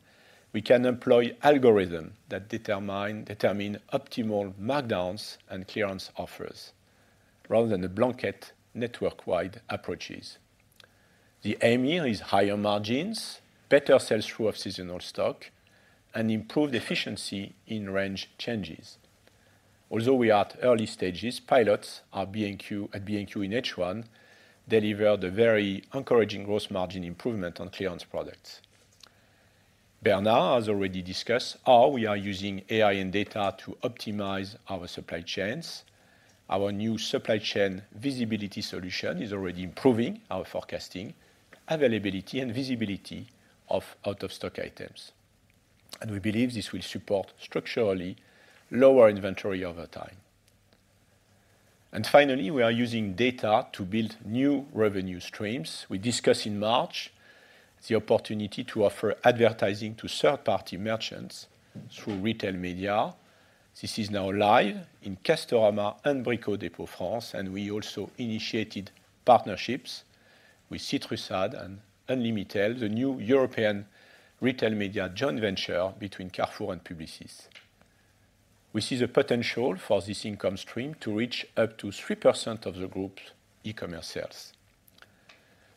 we can employ algorithm that determine optimal markdowns and clearance offers, rather than the blanket network-wide approaches. The aim here is higher margins, better sell-through of seasonal stock, and improved efficiency in range changes. Although we are at early stages, pilots at B&Q in H1 delivered a very encouraging gross margin improvement on clearance products. Bernard has already discussed how we are using AI and data to optimize our supply chains. Our new supply chain visibility solution is already improving our forecasting, availability, and visibility of out-of-stock items, and we believe this will support structurally lower inventory over time. And finally, we are using data to build new revenue streams. We discussed in March the opportunity to offer advertising to third-party merchants through retail media. This is now live in Castorama and Brico Dépôt France, and we also initiated partnerships with CitrusAd and Unlimitail, the new European retail media joint venture between Carrefour and Publicis. We see the potential for this income stream to reach up to 3% of the group's e-commerce sales.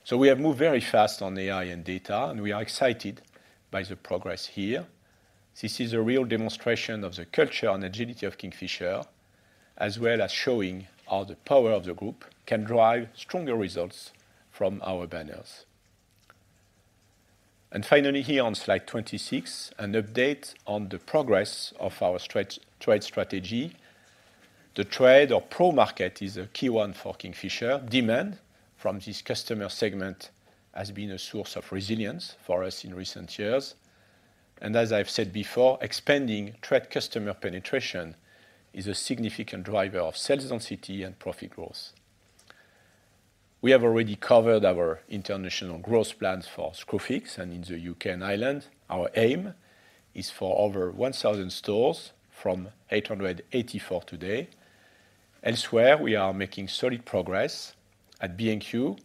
So we have moved very fast on AI and data, and we are excited by the progress here. This is a real demonstration of the culture and agility of Kingfisher, as well as showing how the power of the group can drive stronger results from our banners. And finally, here on slide 26, an update on the progress of our stretch trade strategy. The trade or pro market is a key one for Kingfisher. Demand from this customer segment has been a source of resilience for us in recent years. And as I've said before, expanding trade customer penetration is a significant driver of sales density and profit growth. We have already covered our international growth plans for Screwfix and in the U.K. and Ireland. Our aim is for over 1,000 stores from 884 today. Elsewhere, we are making solid progress. At B&Q,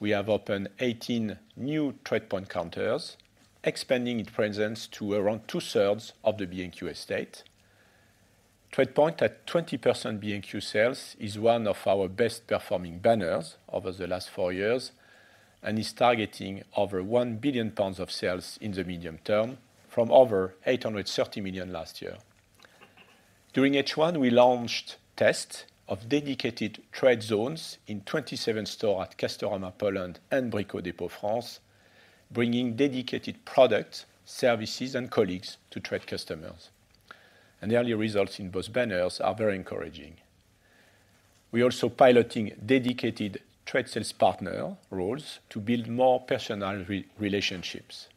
we have opened 18 new TradePoint counters, expanding its presence to around two-thirds of the B&Q estate. TradePoint, at 20% B&Q sales, is one of our best-performing banners over the last 4 years and is targeting over 1 billion pounds of sales in the medium term from over 830 million last year. During H1, we launched test of dedicated trade zones in 27 stores at Castorama Poland and Brico Dépôt France, bringing dedicated products, services, and colleagues to trade customers, and the early results in both banners are very encouraging. We're also piloting dedicated trade sales partner roles to build more personal relationships.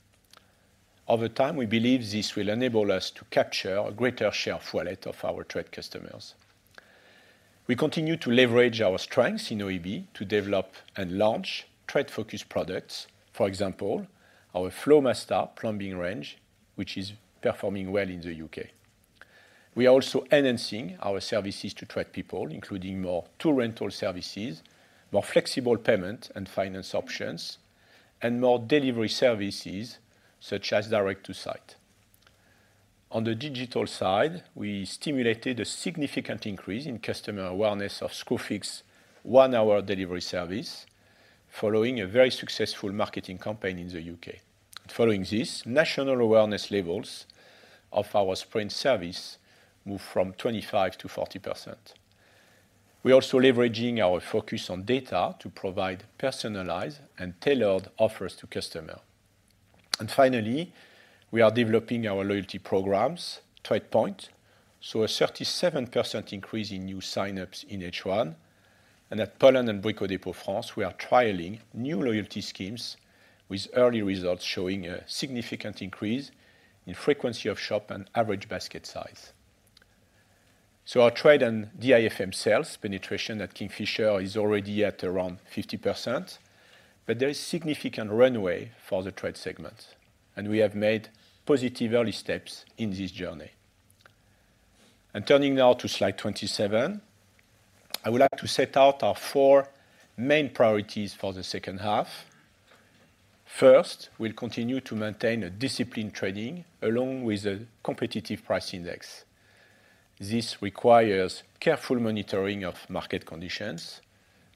Over time, we believe this will enable us to capture a greater share of wallet of our trade customers. We continue to leverage our strengths in OEB to develop and launch trade-focused products. For example, our Flomasta plumbing range, which is performing well in the U.K. We are also enhancing our services to trade people, including more tool rental services, more flexible payment and finance options, and more delivery services, such as direct to site. On the digital side, we stimulated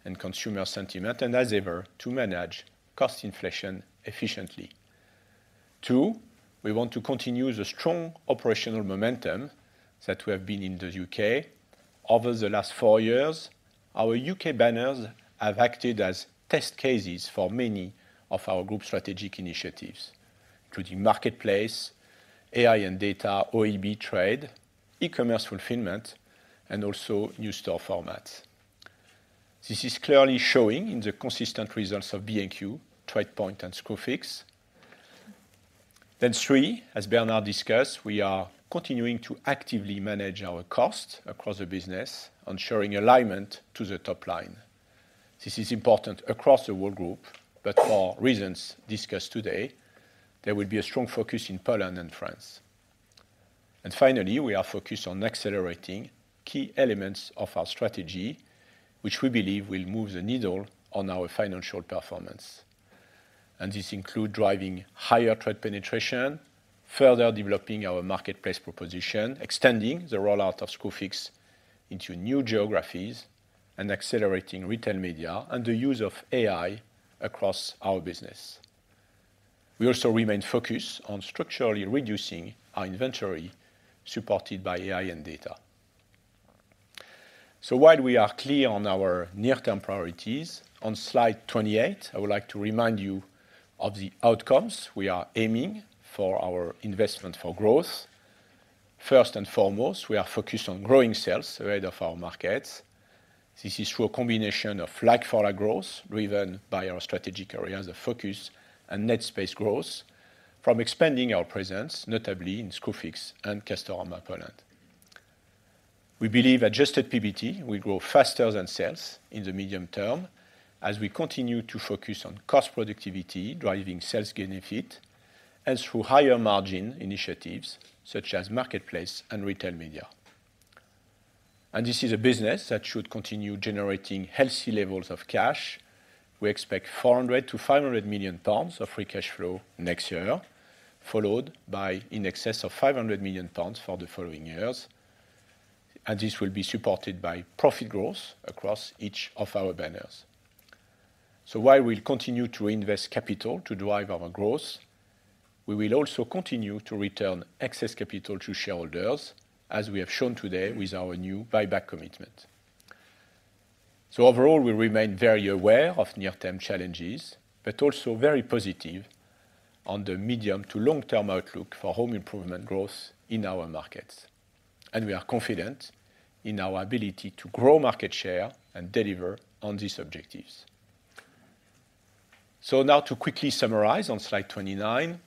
and consumer sentiment, and as ever, to manage cost inflation efficiently. Two, we want to continue the strong operational momentum that we have been in the U.K. Over the last four years, our U.K. banners have acted as test cases for many of our group strategic initiatives, including marketplace, AI and data, OEB trade, e-commerce fulfillment, and also new store formats. This is clearly showing in the consistent results of B&Q, TradePoint and Screwfix. Then three, as Bernard discussed, we are continuing to actively manage our cost across the business, ensuring alignment to the top line. This is important across the whole group, but for reasons discussed today, there will be a strong focus in Poland and France. And finally, we are focused on accelerating key elements of our strategy, which we believe will move the needle on our financial performance. And this include driving higher trade penetration, further developing our marketplace proposition, extending the rollout of Screwfix into new geographies, and accelerating retail media and the use of AI across our business. We also remain focused on structurally reducing our inventory, supported by AI and data. So while we are clear on our near-term priorities, on slide 28, I would like to remind you of the outcomes we are aiming for our investment for growth. First and foremost, we are focused on growing sales ahead of our markets. This is through a combination of like-for-like growth, driven by our strategic areas of focus and net space growth from expanding our presence, notably in Screwfix and Castorama Poland. We believe adjusted PBT will grow faster than sales in the medium term as we continue to focus on cost productivity, driving sales benefit, and through higher margin initiatives such as marketplace and retail media. This is a business that should continue generating healthy levels of cash. We expect 400 million-500 million pounds of free cash flow next year, followed by in excess of 500 million pounds for the following years, and this will be supported by profit growth across each of our banners. So while we'll continue to invest capital to drive our growth, we will also continue to return excess capital to shareholders, as we have shown today with our new buyback commitment. So overall, we remain very aware of near-term challenges, but also very positive on the medium to long-term outlook for home improvement growth in our markets, and we are confident in our ability to grow market share and deliver on these objectives. So now to quickly summarize on slide 29.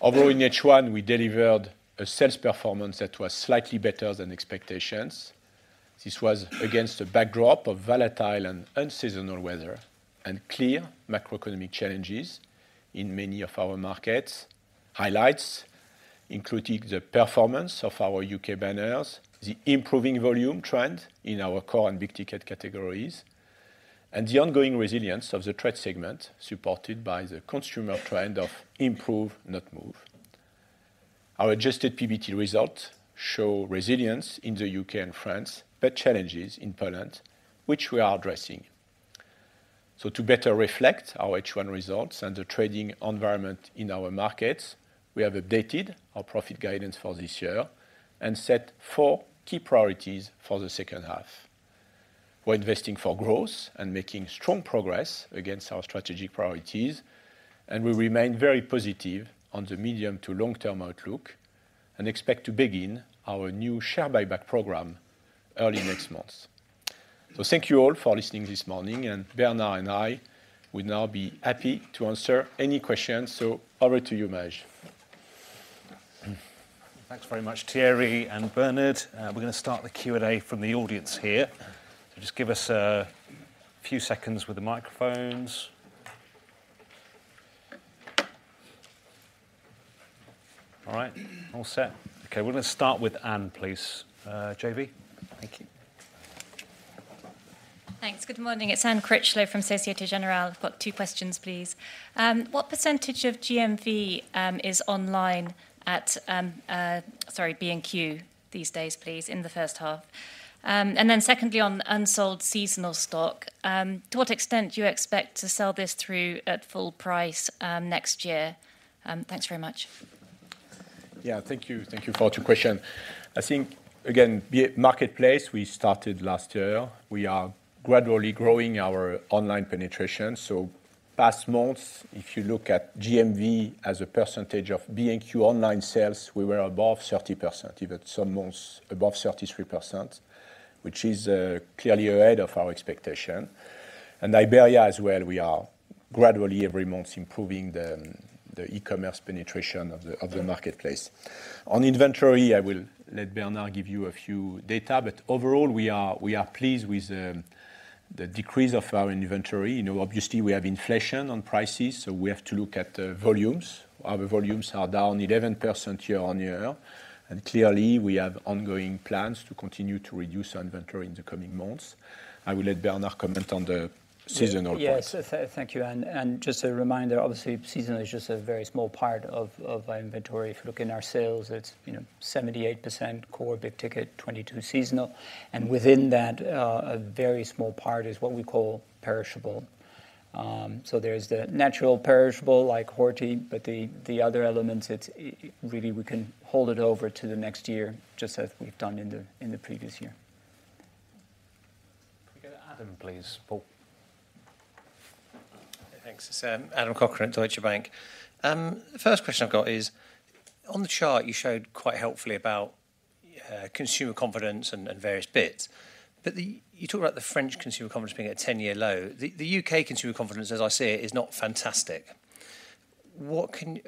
Although in H1, we delivered a sales performance that was slightly better than expectations, this was against a backdrop of volatile and unseasonal weather and clear macroeconomic challenges in many of our markets. Highlights, including the performance of our U.K. banners, the improving volume trend in our core and big ticket categories, and the ongoing resilience of the trade segment, supported by the consumer trend of improve, not move. Our adjusted PBT results show resilience in the U.K. and France, but challenges in Poland, which we are addressing. So to better reflect our H1 results and the trading environment in our markets, we have updated our profit guidance for this year and set four key priorities for the second half. We're investing for growth and making strong progress against our strategic priorities, and we remain very positive on the medium to long-term outlook and expect to begin our new share buyback program early next month. So thank you all for listening this morning, and Bernard and I would now be happy to answer any questions. So over to you, Maj. Thanks very much, Thierry and Bernard. We're gonna start the Q&A from the audience here. So just give us a few seconds with the microphones. All right. All set? Okay, we're gonna start with Anne, please, JV. Thank you. Thanks. Good morning, it's Anne Critchlow from Société Générale. I've got two questions, please. What percentage of GMV is online at B&Q these days, please, in the first half? And then secondly, on unsold seasonal stock, to what extent do you expect to sell this through at full price next year? Thanks very much. Yeah, thank you. Thank you for your question. I think, again, the marketplace we started last year, we are gradually growing our online penetration. So past months, if you look at GMV as a percentage of B&Q online sales, we were above 30%, even some months above 33%, which is clearly ahead of our expectation. And Iberia as well, we are gradually every month improving the, the e-commerce penetration of the, of the marketplace. On inventory, I will let Bernard give you a few data, but overall we are, we are pleased with the decrease of our inventory. You know, obviously, we have inflation on prices, so we have to look at the volumes. Our volumes are down 11% year-on-year, and clearly, we have ongoing plans to continue to reduce our inventory in the coming months. I will let Bernard comment on the seasonal part. Yeah. Yes, thank you, and just a reminder, obviously, seasonal is just a very small part of our inventory. If you look in our sales, it's, you know, 78% core big ticket, 22 seasonal, and within that, a very small part is what we call perishable. So there's the natural perishable, like horti, but the other elements, it's really we can hold it over to the next year, just as we've done in the previous year. Can we go to Adam, please? Paul. Thanks. Adam Cochrane, Deutsche Bank. The first question I've got is, on the chart you showed quite helpfully about consumer confidence and various bits. You talked about the French consumer confidence being at a 10-year low. The U.K. consumer confidence, as I see it, is not fantastic.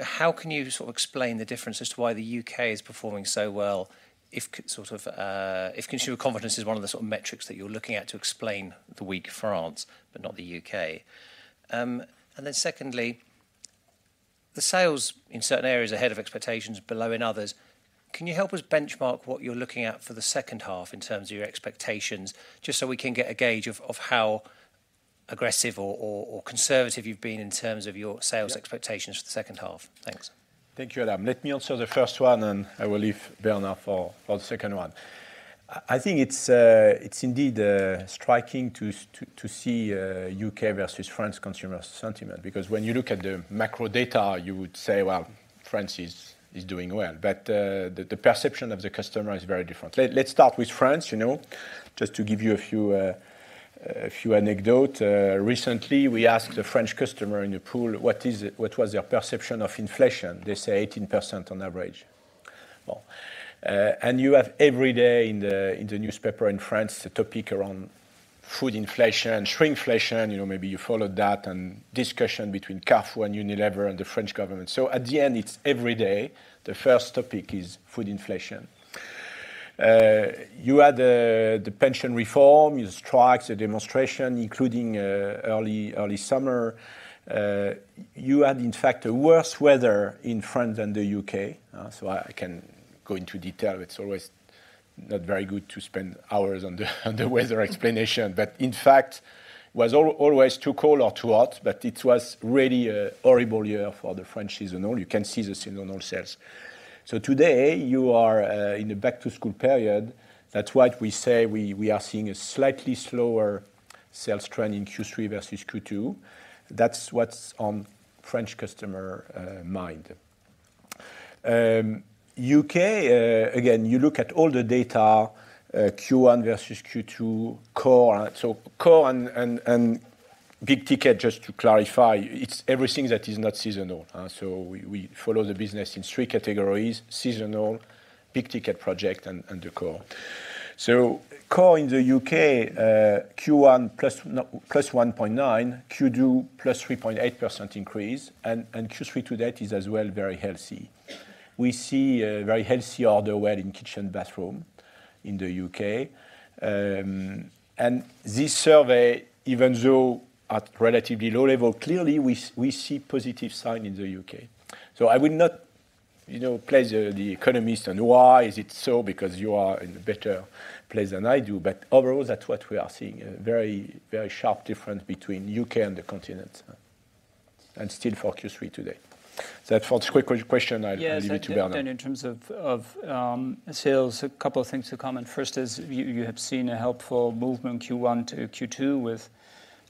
How can you sort of explain the difference as to why the U.K. is performing so well, if consumer confidence is one of the sort of metrics that you're looking at to explain the weak France, but not the U.K.? Secondly, the sales in certain areas are ahead of expectations, below in others. Can you help us benchmark what you're looking at for the second half in terms of your expectations, just so we can get a gauge of how aggressive or conservative you've been in terms of your sales expectations- Yeah For the second half? Thanks. Thank you, Adam. Let me answer the first one, and I will leave Bernard for the second one. I think it's indeed striking to see U.K. versus France consumer sentiment, because when you look at the macro data, you would say, "Well, France is doing well." But the perception of the customer is very different. Let's start with France, you know. Just to give you a few anecdotes, recently, we asked a French customer in a poll, what was their perception of inflation? They say 18% on average. Well, and you have every day in the newspaper in France, the topic around food inflation and shrinkflation, you know, maybe you followed that, and discussion between Carrefour and Unilever and the French government. So at the end, it's every day, the first topic is food inflation. You had the pension reform, the strikes, the demonstration, including early summer. You had, in fact, a worse weather in France than the U.K., so I can go into detail. It's always not very good to spend hours on the weather explanation. But in fact, it was always too cold or too hot, but it was really a horrible year for the French seasonal. You can see the seasonal sales. So today, you are in the back-to-school period. That's why we say we are seeing a slightly slower sales trend in Q3 versus Q2. That's what's on French customer mind. U.K., again, you look at all the data, Q1 versus Q2, core. So core and big ticket, just to clarify, it's everything that is not seasonal, so we follow the business in three categories: seasonal, big ticket project, and the core. So core in the U.K., Q1 plus 1.9, Q2 plus 3.8% increase, and Q3 to date is as well very healthy. We see a very healthy order well in kitchen, bathroom in the U.K. And this survey, even though at relatively low level, clearly we see positive sign in the U.K. So I would not, you know, play the economist, and why is it so? Because you are in a better place than I do. But overall, that's what we are seeing, a very, very sharp difference between U.K. and the continent, and still for Q3 today. For the quick question, I'll leave it to Bernard. Yes, and in terms of sales, a couple of things to comment. First is, you have seen a helpful movement Q1 to Q2, with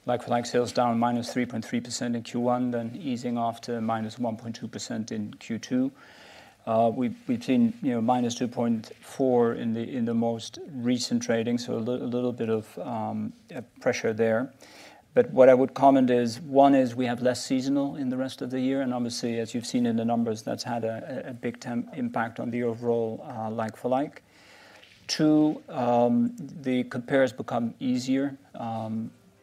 like-for-like sales down -3.3% in Q1, then easing off to -1.2% in Q2. We've seen, you know, -2.4% in the most recent trading, so a little bit of pressure there. But what I would comment is, one is we have less seasonal in the rest of the year, and obviously, as you've seen in the numbers, that's had a big time impact on the overall like-for-like. Two, the compares become easier.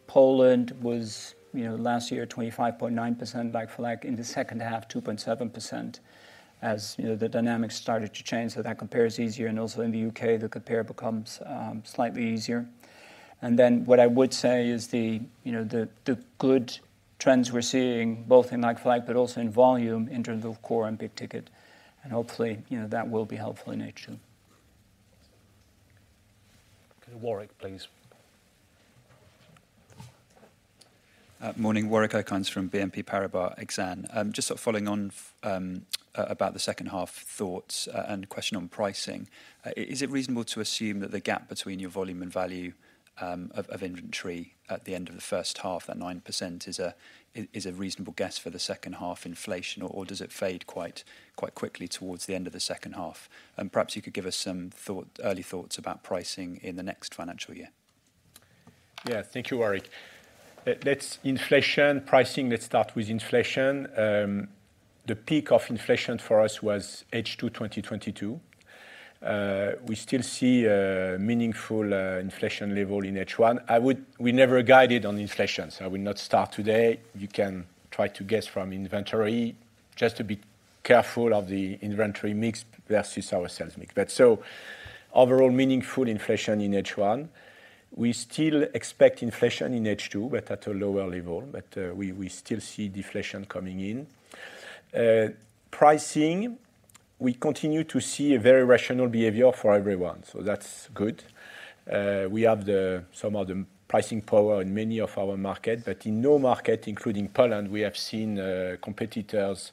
Poland was, you know, last year, 25.9% like-for-like. In the second half, 2.7%, as you know, the dynamics started to change. So that compares easier, and also in the U.K., the compare becomes slightly easier. And then what I would say is the, you know, the good trends we're seeing, both in like-for-like but also in volume, in terms of core and big ticket, and hopefully, you know, that will be helpful in H2. Warwick, please. Morning, Warwick Okines from BNP Paribas Exane. Just sort of following on, about the second half thoughts, and question on pricing. Is it reasonable to assume that the gap between your volume and value, of inventory at the end of the first half, that 9% is a reasonable guess for the second half inflation, or does it fade quite quickly towards the end of the second half? And perhaps you could give us some early thoughts about pricing in the next financial year. Yeah. Thank you, Warwick. Let's inflation, pricing, let's start with inflation. The peak of inflation for us was H2 2022. We still see a meaningful inflation level in H1. We never guided on inflation, so I will not start today. You can try to guess from inventory. Just to be careful of the inventory mix versus our sales mix. But so overall, meaningful inflation in H1. We still expect inflation in H2, but at a lower level. But we still see deflation coming in. Pricing, we continue to see a very rational behavior for everyone, so that's good. We have some of the pricing power in many of our market, but in no market, including Poland, we have seen competitors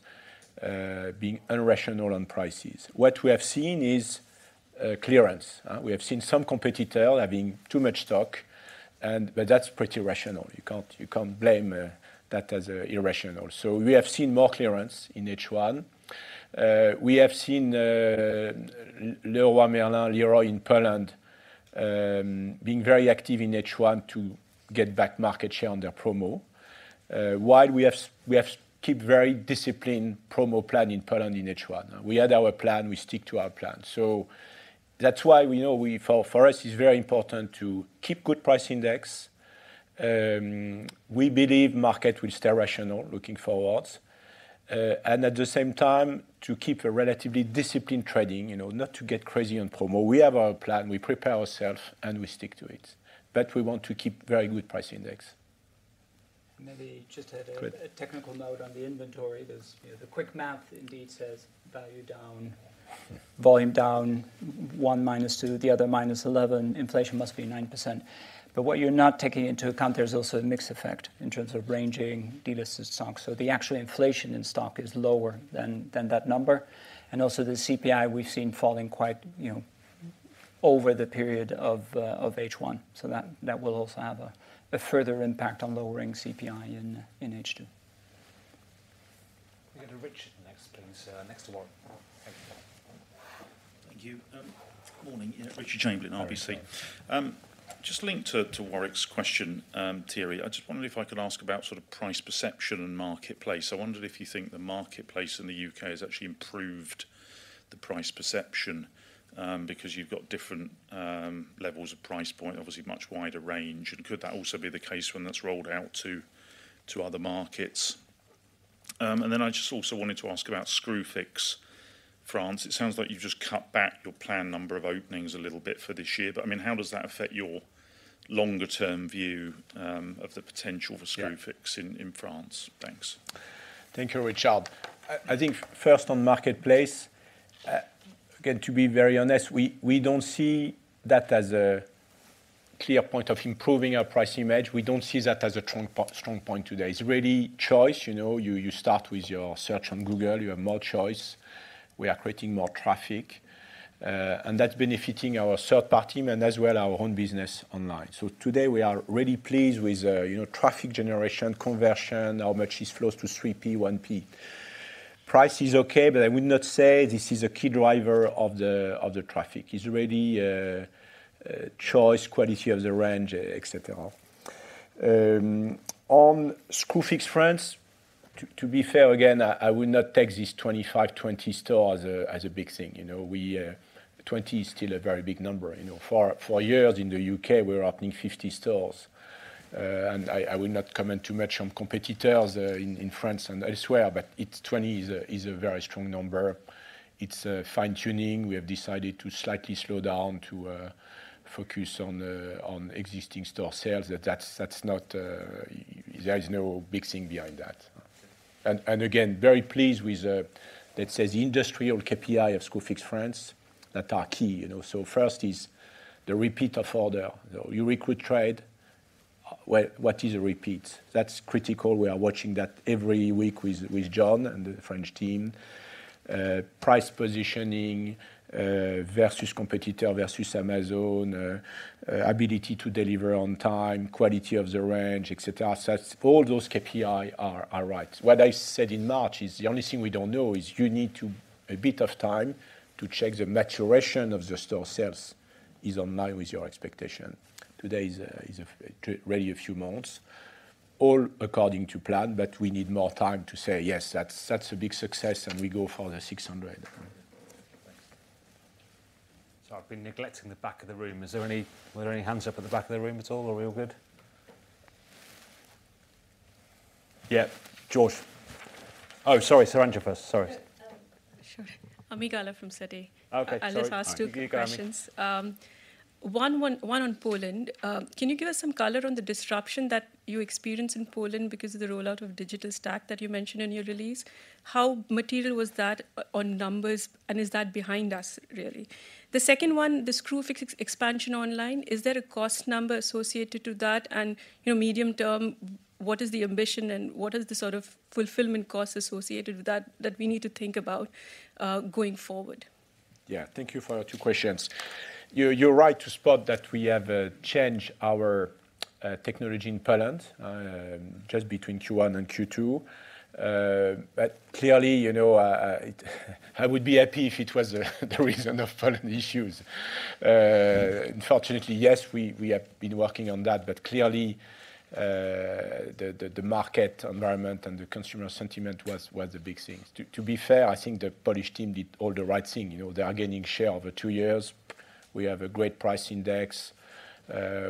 being irrational on prices. What we have seen is clearance. We have seen some competitor having too much stock, and but that's pretty rational. You can't, you can't blame that as irrational. So we have seen more clearance in H1. We have seen Leroy Merlin, Leroy in Poland, being very active in H1 to get back market share on their promo. While we have we have keep very disciplined promo plan in Poland in H1. We had our plan, we stick to our plan. So that's why we know we... for, for us, it's very important to keep good price index. We believe market will stay rational looking forwards. And at the same time, to keep a relatively disciplined trading, you know, not to get crazy on promo. We have our plan, we prepare ourself, and we stick to it, but we want to keep very good price index. Maybe just to have a- Good A technical note on the inventory. There's, you know, the quick math indeed says value down, volume down, 1 minus 2, the other minus 11, inflation must be 9%. But what you're not taking into account, there's also a mix effect in terms of ranging deal versus stock. So the actual inflation in stock is lower than that number. And also the CPI, we've seen falling quite, you know, over the period of H1. So that will also have a further impact on lowering CPI in H2. We go to Richard next, please. Next to Warwick. Thank you. Thank you. Morning. Yeah, Richard Chamberlain, RBC. Hi. Just linked to Warwick's question, Thierry, I just wondered if I could ask about sort of price perception and marketplace. I wondered if you think the marketplace in the U.K. has actually improved the price perception, because you've got different levels of price point, obviously much wider range. And could that also be the case when that's rolled out to other markets? And then I just also wanted to ask about Screwfix France. It sounds like you've just cut back your planned number of openings a little bit for this year. But, I mean, how does that affect your longer-term view of the potential for Screwfix in France? Thanks. Thank you, Richard. I think first on marketplace, again, to be very honest, we don't see that as a clear point of improving our price image. We don't see that as a strong point today. It's really choice. You know, you start with your search on Google, you have more choice. We are creating more traffic, and that's benefiting our third-party team and as well, our own business online. So today, we are really pleased with, you know, traffic generation, conversion, how much this flows to 3P, 1P. Price is okay, but I would not say this is a key driver of the traffic. It's really choice, quality of the range, et cetera. On Screwfix France, to be fair, again, I would not take this 25, 20 store as a big thing. You know, we, 20 is still a very big number. You know, for years in the U.K., we were opening 50 stores. And I would not comment too much on competitors in France and elsewhere, but it's 20 is a very strong number. It's fine-tuning. We have decided to slightly slow down to focus on existing store sales. That's, that's not... there is no big thing behind that. And again, very pleased with, let's say, the industrial KPI of Screwfix France that are key, you know. So first is the repeat of order. You recruit trade, what is a repeat? That's critical. We are watching that every week with, with John and the French team. Price positioning versus competitor, versus Amazon, ability to deliver on time, quality of the range, et cetera. So all those KPI are right. What I said in March is the only thing we don't know is you need a bit of time to check the maturation of the store sales is in line with your expectation. Today is really a few months, all according to plan, but we need more time to say, "Yes, that's a big success, and we go for the 600. Sorry, I've been neglecting the back of the room. Were there any hands up at the back of the room at all, or are we all good? Yeah, George. Oh, sorry, Saranja first. Sorry. Sure. Ami Galla from Citi. Okay, sorry. I'll just ask two questions. Thank you, Ami. One on Poland. Can you give us some color on the disruption that you experienced in Poland because of the rollout of digital stack that you mentioned in your release? How material was that on numbers, and is that behind us, really? The second one, the Screwfix expansion online, is there a cost number associated to that? And, you know, medium term, what is the ambition and what is the sort of fulfillment cost associated with that, that we need to think about, going forward? Yeah, thank you for your two questions. You're right to spot that we have changed our technology in Poland just between Q1 and Q2. But clearly, you know, it, I would be happy if it was the reason of Poland issues. Unfortunately, yes, we have been working on that, but clearly, the market environment and the consumer sentiment was the big things. To be fair, I think the Polish team did all the right thing. You know, they are gaining share over two years. We have a great price index.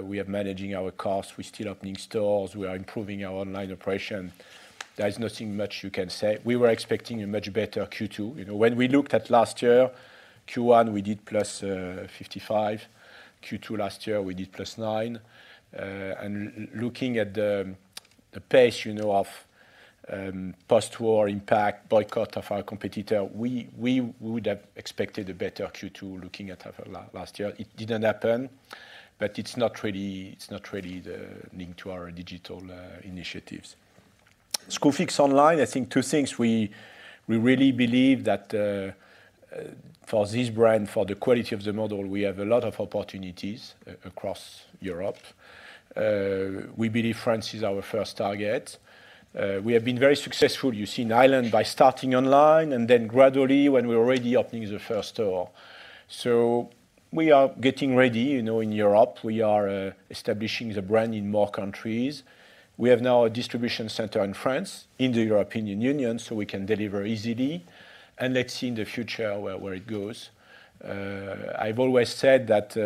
We are managing our costs. We're still opening stores. We are improving our online operation. There is nothing much you can say. We were expecting a much better Q2. You know, when we looked at last year, Q1, we did +55, Q2 last year, we did +9. Looking at the pace, you know, of post-war impact, boycott of our competitor, we would have expected a better Q2 looking at last year. It didn't happen, but it's not really the link to our digital initiatives. Screwfix Online, I think two things: we really believe that, you know, for this brand, for the quality of the model, we have a lot of opportunities across Europe. We believe France is our first target. We have been very successful, you see, in Ireland by starting online and then gradually when we're already opening the first store. We are getting ready, you know, in Europe, we are establishing the brand in more countries. We have now a distribution center in France, in the European Union, so we can deliver easily, and let's see in the future where it goes. I've always said that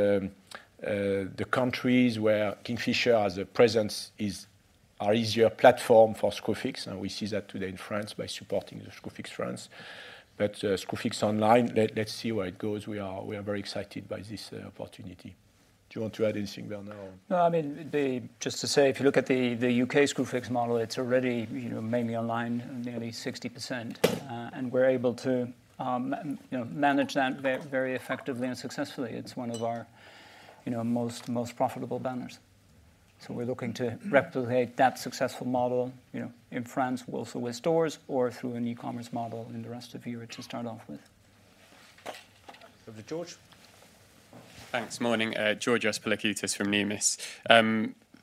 the countries where Kingfisher has a presence are easier platform for Screwfix, and we see that today in France by supporting the Screwfix France. But, Screwfix Online, let's see where it goes. We are very excited by this opportunity. Do you want to add anything, Bernard, or? No, I mean, just to say, if you look at the UK Screwfix model, it's already, you know, mainly online, nearly 60%. And we're able to, you know, manage that very effectively and successfully. It's one of our, you know, most profitable banners. So we're looking to replicate that successful model, you know, in France, also with stores or through an e-commerce model in the rest of Europe to start off with. Over to George. Thanks. Morning, George Pilakoutas from Numis.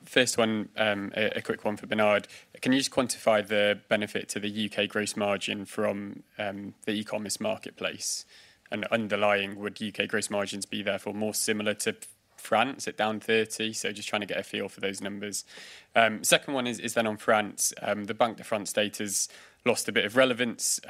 First one, a quick one for Bernard. Can you just quantify the benefit to the U.K. gross margin from the e-commerce marketplace? And underlying, would U.K. gross margins be therefore more similar to France at down 30? So just trying to get a feel for those numbers. Second one is then on France. The Banque de France data's lost a bit of relevance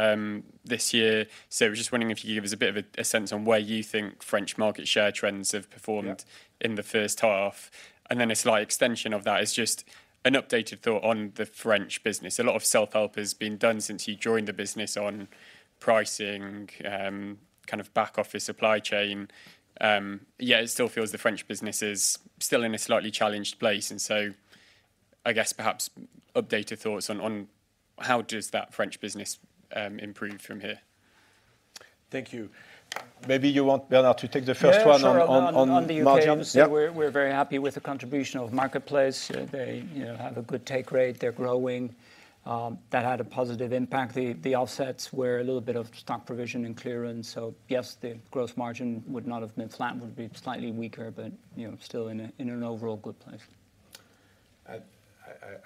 this year. So I was just wondering if you could give us a bit of a sense on where you think French market share trends have performed in the first half. And then a slight extension of that is just an updated thought on the French business. A lot of self-help has been done since you joined the business on pricing, kind of back office supply chain. Yeah, it still feels the French business is still in a slightly challenged place, and so I guess perhaps updated thoughts on how does that French business improve from here? Thank you. Maybe you want Bernard to take the first one on margin. Yeah, sure. On the U.K. we're very happy with the contribution of marketplace. They, you know, have a good take rate, they're growing. That had a positive impact. The offsets were a little bit of stock provision and clearance, so yes, the gross margin would not have been flat, would be slightly weaker, but, you know, still in an overall good place.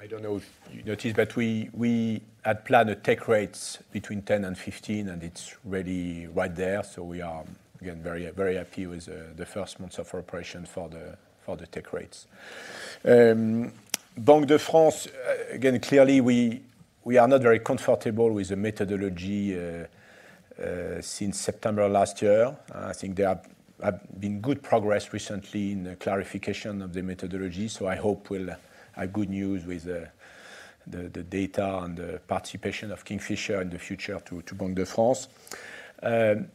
I don't know if you noticed, but we had planned take rates between 10%-15%, and it's really right there, so we are again very, very happy with the first months of operation for the take rates. Banque de France, again, clearly, we are not very comfortable with the methodology since September last year. I think there have been good progress recently in the clarification of the methodology, so I hope we'll have good news with the data and the participation of Kingfisher in the future to Banque de France.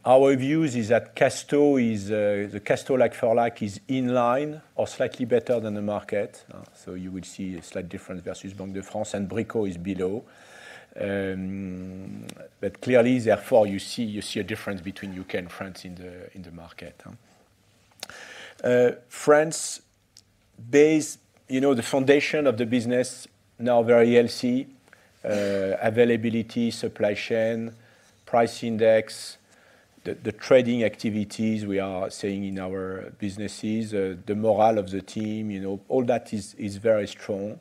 Our views is that Castorama is the Castorama like-for-like is in line or slightly better than the market, so you would see a slight difference versus Banque de France, and Brico is below. But clearly, therefore, you see, you see a difference between U.K .and France in the market, huh? France base, you know, the foundation of the business now very healthy. Availability, supply chain, price index, the trading activities we are seeing in our businesses, the morale of the team, you know, all that is very strong.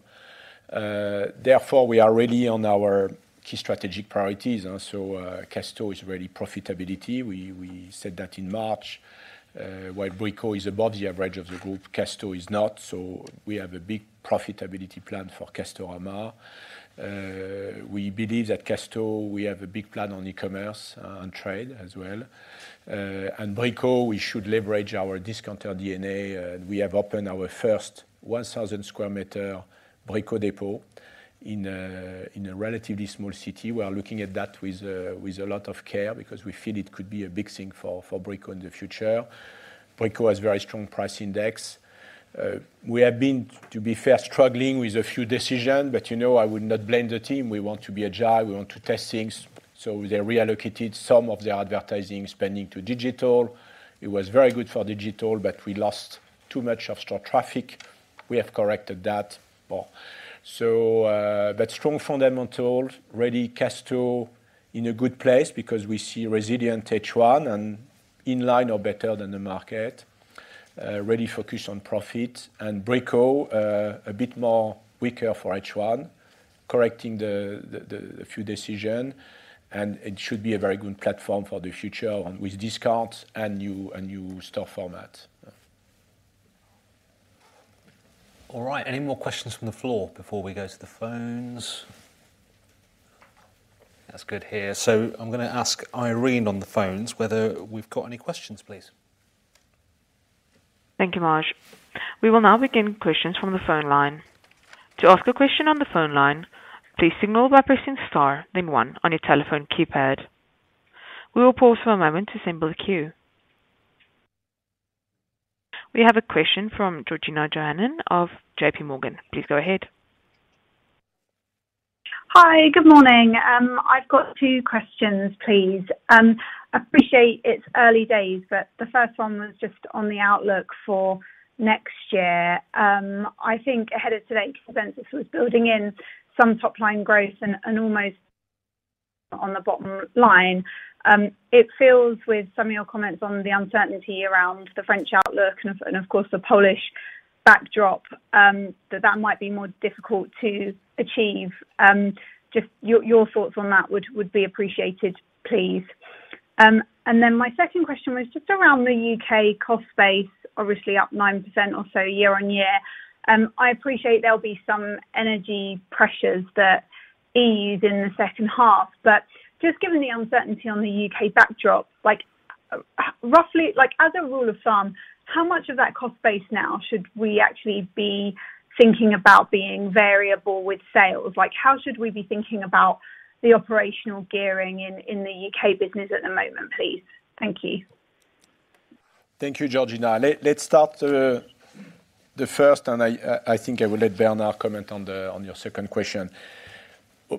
Therefore, we are really on our key strategic priorities, and so, Castorama is really profitability. We said that in March. While Brico is above the average of the group, Castorama is not, so we have a big profitability plan for Castorama. We believe that Castorama, we have a big plan on e-commerce, and trade as well. Brico, we should leverage our discounter DNA, and we have opened our first 1,000 sq m Brico Dépôt in a relatively small city. We are looking at that with a lot of care because we feel it could be a big thing for Brico in the future. Brico has very strong price index. We have been, to be fair, struggling with a few decisions, but you know, I would not blame the team. We want to be agile. We want to test things, so they reallocated some of their advertising spending to digital. It was very good for digital, but we lost too much of store traffic. We have corrected that. Strong fundamental, really Castorama in a good place because we see resilient H1 and in line or better than the market, really focused on profit. Brico, a bit more weaker for H1, correcting a few decision, and it should be a very good platform for the future and with discounts and new store format. All right. Any more questions from the floor before we go to the phones? That's good to hear. So I'm gonna ask Irene on the phones whether we've got any questions, please. Thank you, Maj. We will now begin questions from the phone line. To ask a question on the phone line, please signal by pressing star then one on your telephone keypad. We will pause for a moment to assemble the queue. We have a question from Georgina Johanan of JPMorgan. Please go ahead. Hi, good morning. I've got two questions, please. Appreciate it's early days, but the first one was just on the outlook for next year. I think ahead of today's event, this was building in some top-line growth and almost on the bottom line. It feels with some of your comments on the uncertainty around the French outlook and, of course, the Polish backdrop, that that might be more difficult to achieve. Just your thoughts on that would be appreciated, please. And then my second question was just around the UK cost base, obviously up 9% or so year-on-year. I appreciate there'll be some energy pressures that ease in the second half, but just given the uncertainty on the U.K. backdrop, like, roughly like, as a rule of thumb, how much of that cost base now should we actually be thinking about being variable with sales? Like, how should we be thinking about the operational gearing in, in the U.K. business at the moment, please? Thank you. Thank you, Georgina. Let's start, the first, and I think I will let Bernard comment on the-- on your second question.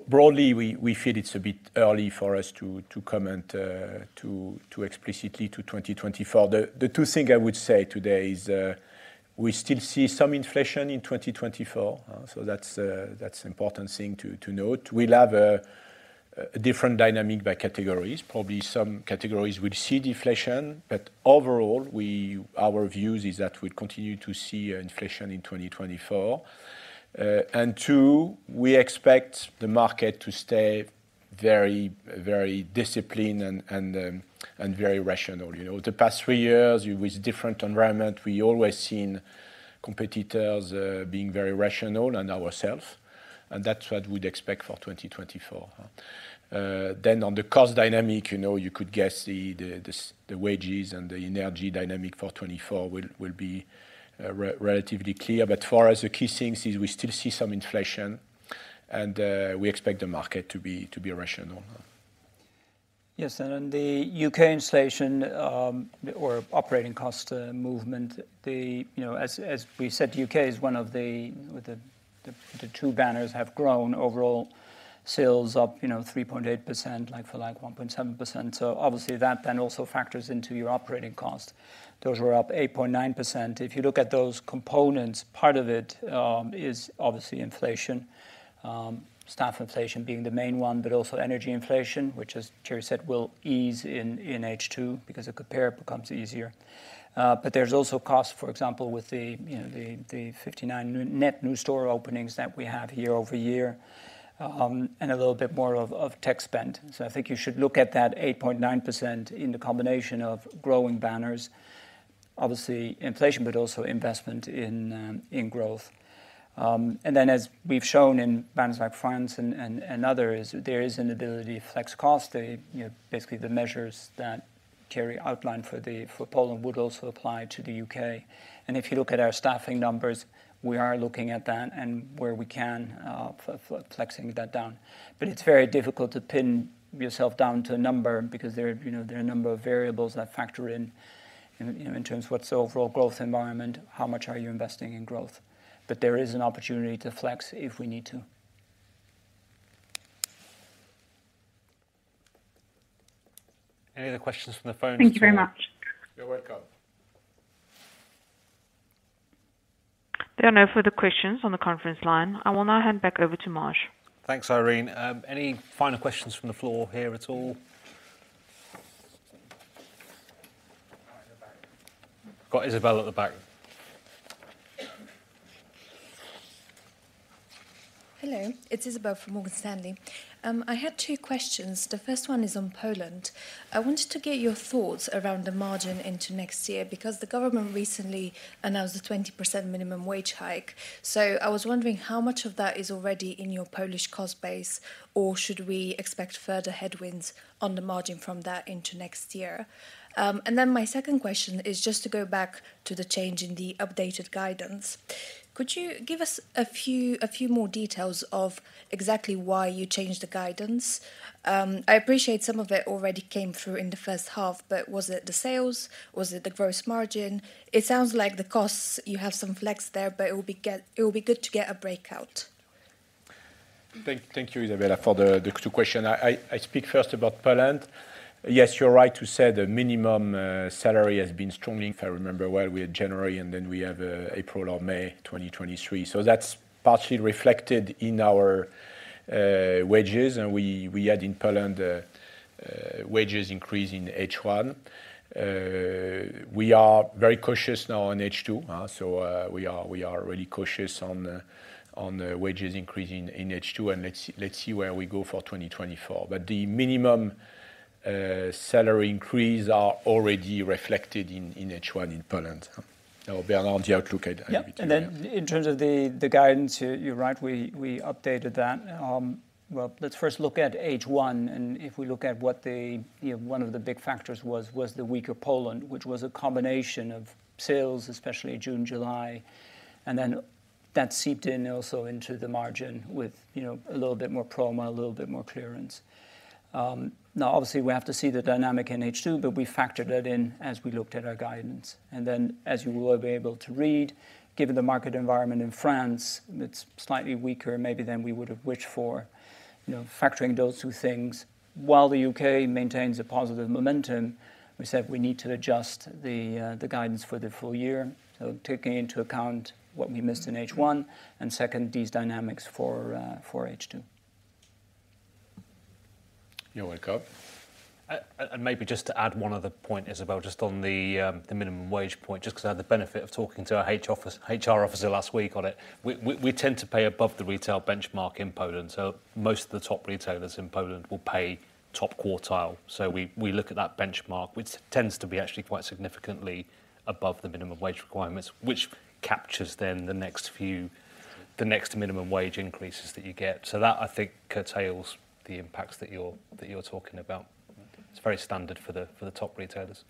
Broadly, we feel it's a bit early for us to comment, to explicitly to 2024. The two things I would say today is, we still see some inflation in 2024, so that's an important thing to note. We'll have a different dynamic by categories. Probably some categories will see deflation, but overall, our view is that we'll continue to see inflation in 2024. And two, we expect the market to stay very, very disciplined and very rational. You know, the past three years, with different environment, we always seen competitors being very rational and ourself, and that's what we'd expect for 2024, huh. Then on the cost dynamic, you know, you could guess the wages and the energy dynamic for 2024 will be relatively clear. But for us, the key thing is we still see some inflation, and we expect the market to be rational. Yes, and on the U.K. inflation or operating cost movement, you know, as we said, U.K. is one of the, with the two banners have grown overall sales up, you know, 3.8%, like-for-like 1.7%. So obviously, that then also factors into your operating cost. Those were up 8.9%. If you look at those components, part of it is obviously inflation, staff inflation being the main one, but also energy inflation, which, as Thierry said, will ease in H2 because the compare becomes easier. But there's also cost, for example, with the, you know, the 59 new net new store openings that we have year-over-year, and a little bit more of tech spend. So I think you should look at that 8.9% in the combination of growing banners, obviously inflation, but also investment in in growth. And then, as we've shown in banners like France and others, there is an ability to flex cost. They, you know, basically, the measures that Thierry outlined for the, for Poland would also apply to the U.K. And if you look at our staffing numbers, we are looking at that and where we can, for flexing that down. But it's very difficult to pin yourself down to a number because there are, you know, there are a number of variables that factor in, you know, in terms of what's the overall growth environment, how much are you investing in growth. But there is an opportunity to flex if we need to. Any other questions from the phone? Thank you very much. You're welcome. There are no further questions on the conference line. I will now hand back over to Maj. Thanks, Irene. Any final questions from the floor here at all? At the back. Got Izabel at the back. Hello, it's Izabel from Morgan Stanley. I had two questions. The first one is on Poland. I wanted to get your thoughts around the margin into next year, because the government recently announced a 20% minimum wage hike. So I was wondering how much of that is already in your Polish cost base, or should we expect further headwinds on the margin from that into next year? And then my second question is just to go back to the change in the updated guidance. Could you give us a few more details of exactly why you changed the guidance? I appreciate some of it already came through in the first half, but was it the sales? Was it the gross margin? It sounds like the costs, you have some flex there, but it will be good to get a breakout. Thank you, Izabel, for the two questions. I speak first about Poland. Yes, you're right to say the minimum salary has been strongly, if I remember well, we had January, and then we have April or May 2023. So that's partially reflected in our wages, and we had in Poland wages increase in H1. We are very cautious now on H2, so we are really cautious on the wages increasing in H2, and let's see where we go for 2024. But the minimum salary increase are already reflected in H1 in Poland. So Bernard, the outlook at, at- Yeah. And then in terms of the, the guidance, you, you're right, we, we updated that. Well, let's first look at H1, and if we look at... you know, one of the big factors was, was the weaker Poland, which was a combination of sales, especially June, July, and then that seeped in also into the margin with, you know, a little bit more promo, a little bit more clearance. Now obviously, we have to see the dynamic in H2, but we factored that in as we looked at our guidance. And then, as you will be able to read, given the market environment in France, it's slightly weaker maybe than we would have wished for. You know, factoring those two things, while the U.K. maintains a positive momentum, we said we need to adjust the, the guidance for the full year. So taking into account what we missed in H1, and second, these dynamics for H2. John, wake up. And maybe just to add one other point, Izabel, just on the minimum wage point, just because I had the benefit of talking to our HR officer last week on it. We tend to pay above the retail benchmark in Poland, so most of the top retailers in Poland will pay top quartile. So we look at that benchmark, which tends to be actually quite significantly above the minimum wage requirements, which captures then the next few minimum wage increases that you get. So that, I think, curtails the impacts that you're talking about. It's very standard for the top retailers.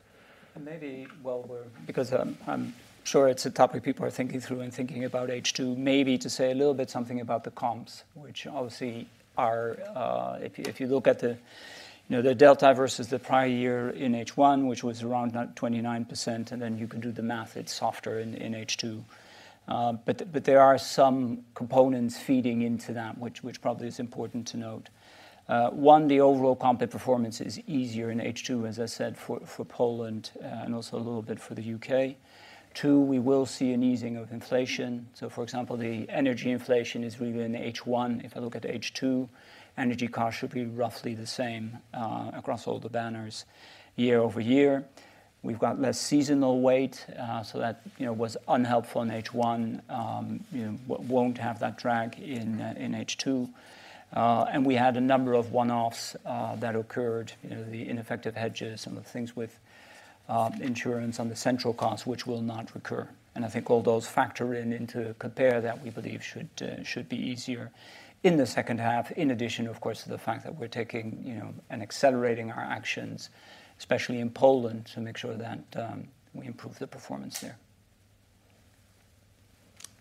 Maybe, well, we're because I'm sure it's a topic people are thinking through and thinking about H2, maybe to say a little bit something about the comps, which obviously are. If you look at the, you know, the delta versus the prior year in H1, which was around 9.29%, and then you can do the math, it's softer in H2. But there are some components feeding into that, which probably is important to note. One, the overall comp performance is easier in H2, as I said, for Poland, and also a little bit for the UK. Two, we will see an easing of inflation. So for example, the energy inflation is really in H1. If I look at H2, energy costs should be roughly the same across all the banners year-over-year. We've got less seasonal weight, so that, you know, was unhelpful in H1. You know, won't have that drag in H2. And we had a number of one-offs that occurred, you know, the ineffective hedges, some of the things with insurance on the central cost, which will not recur. And I think all those factor in, into compare that we believe should be easier in the second half, in addition, of course, to the fact that we're taking, you know, and accelerating our actions, especially in Poland, to make sure that we improve the performance there.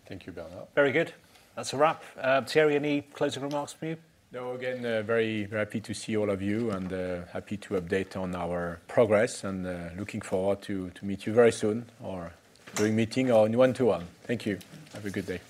Thank you, Bernard. Very good. That's a wrap. Thierry, any closing remarks from you? No. Again, very, very happy to see all of you, and happy to update on our progress, and looking forward to meet you very soon or during meeting or in one-to-one. Thank you. Have a good day.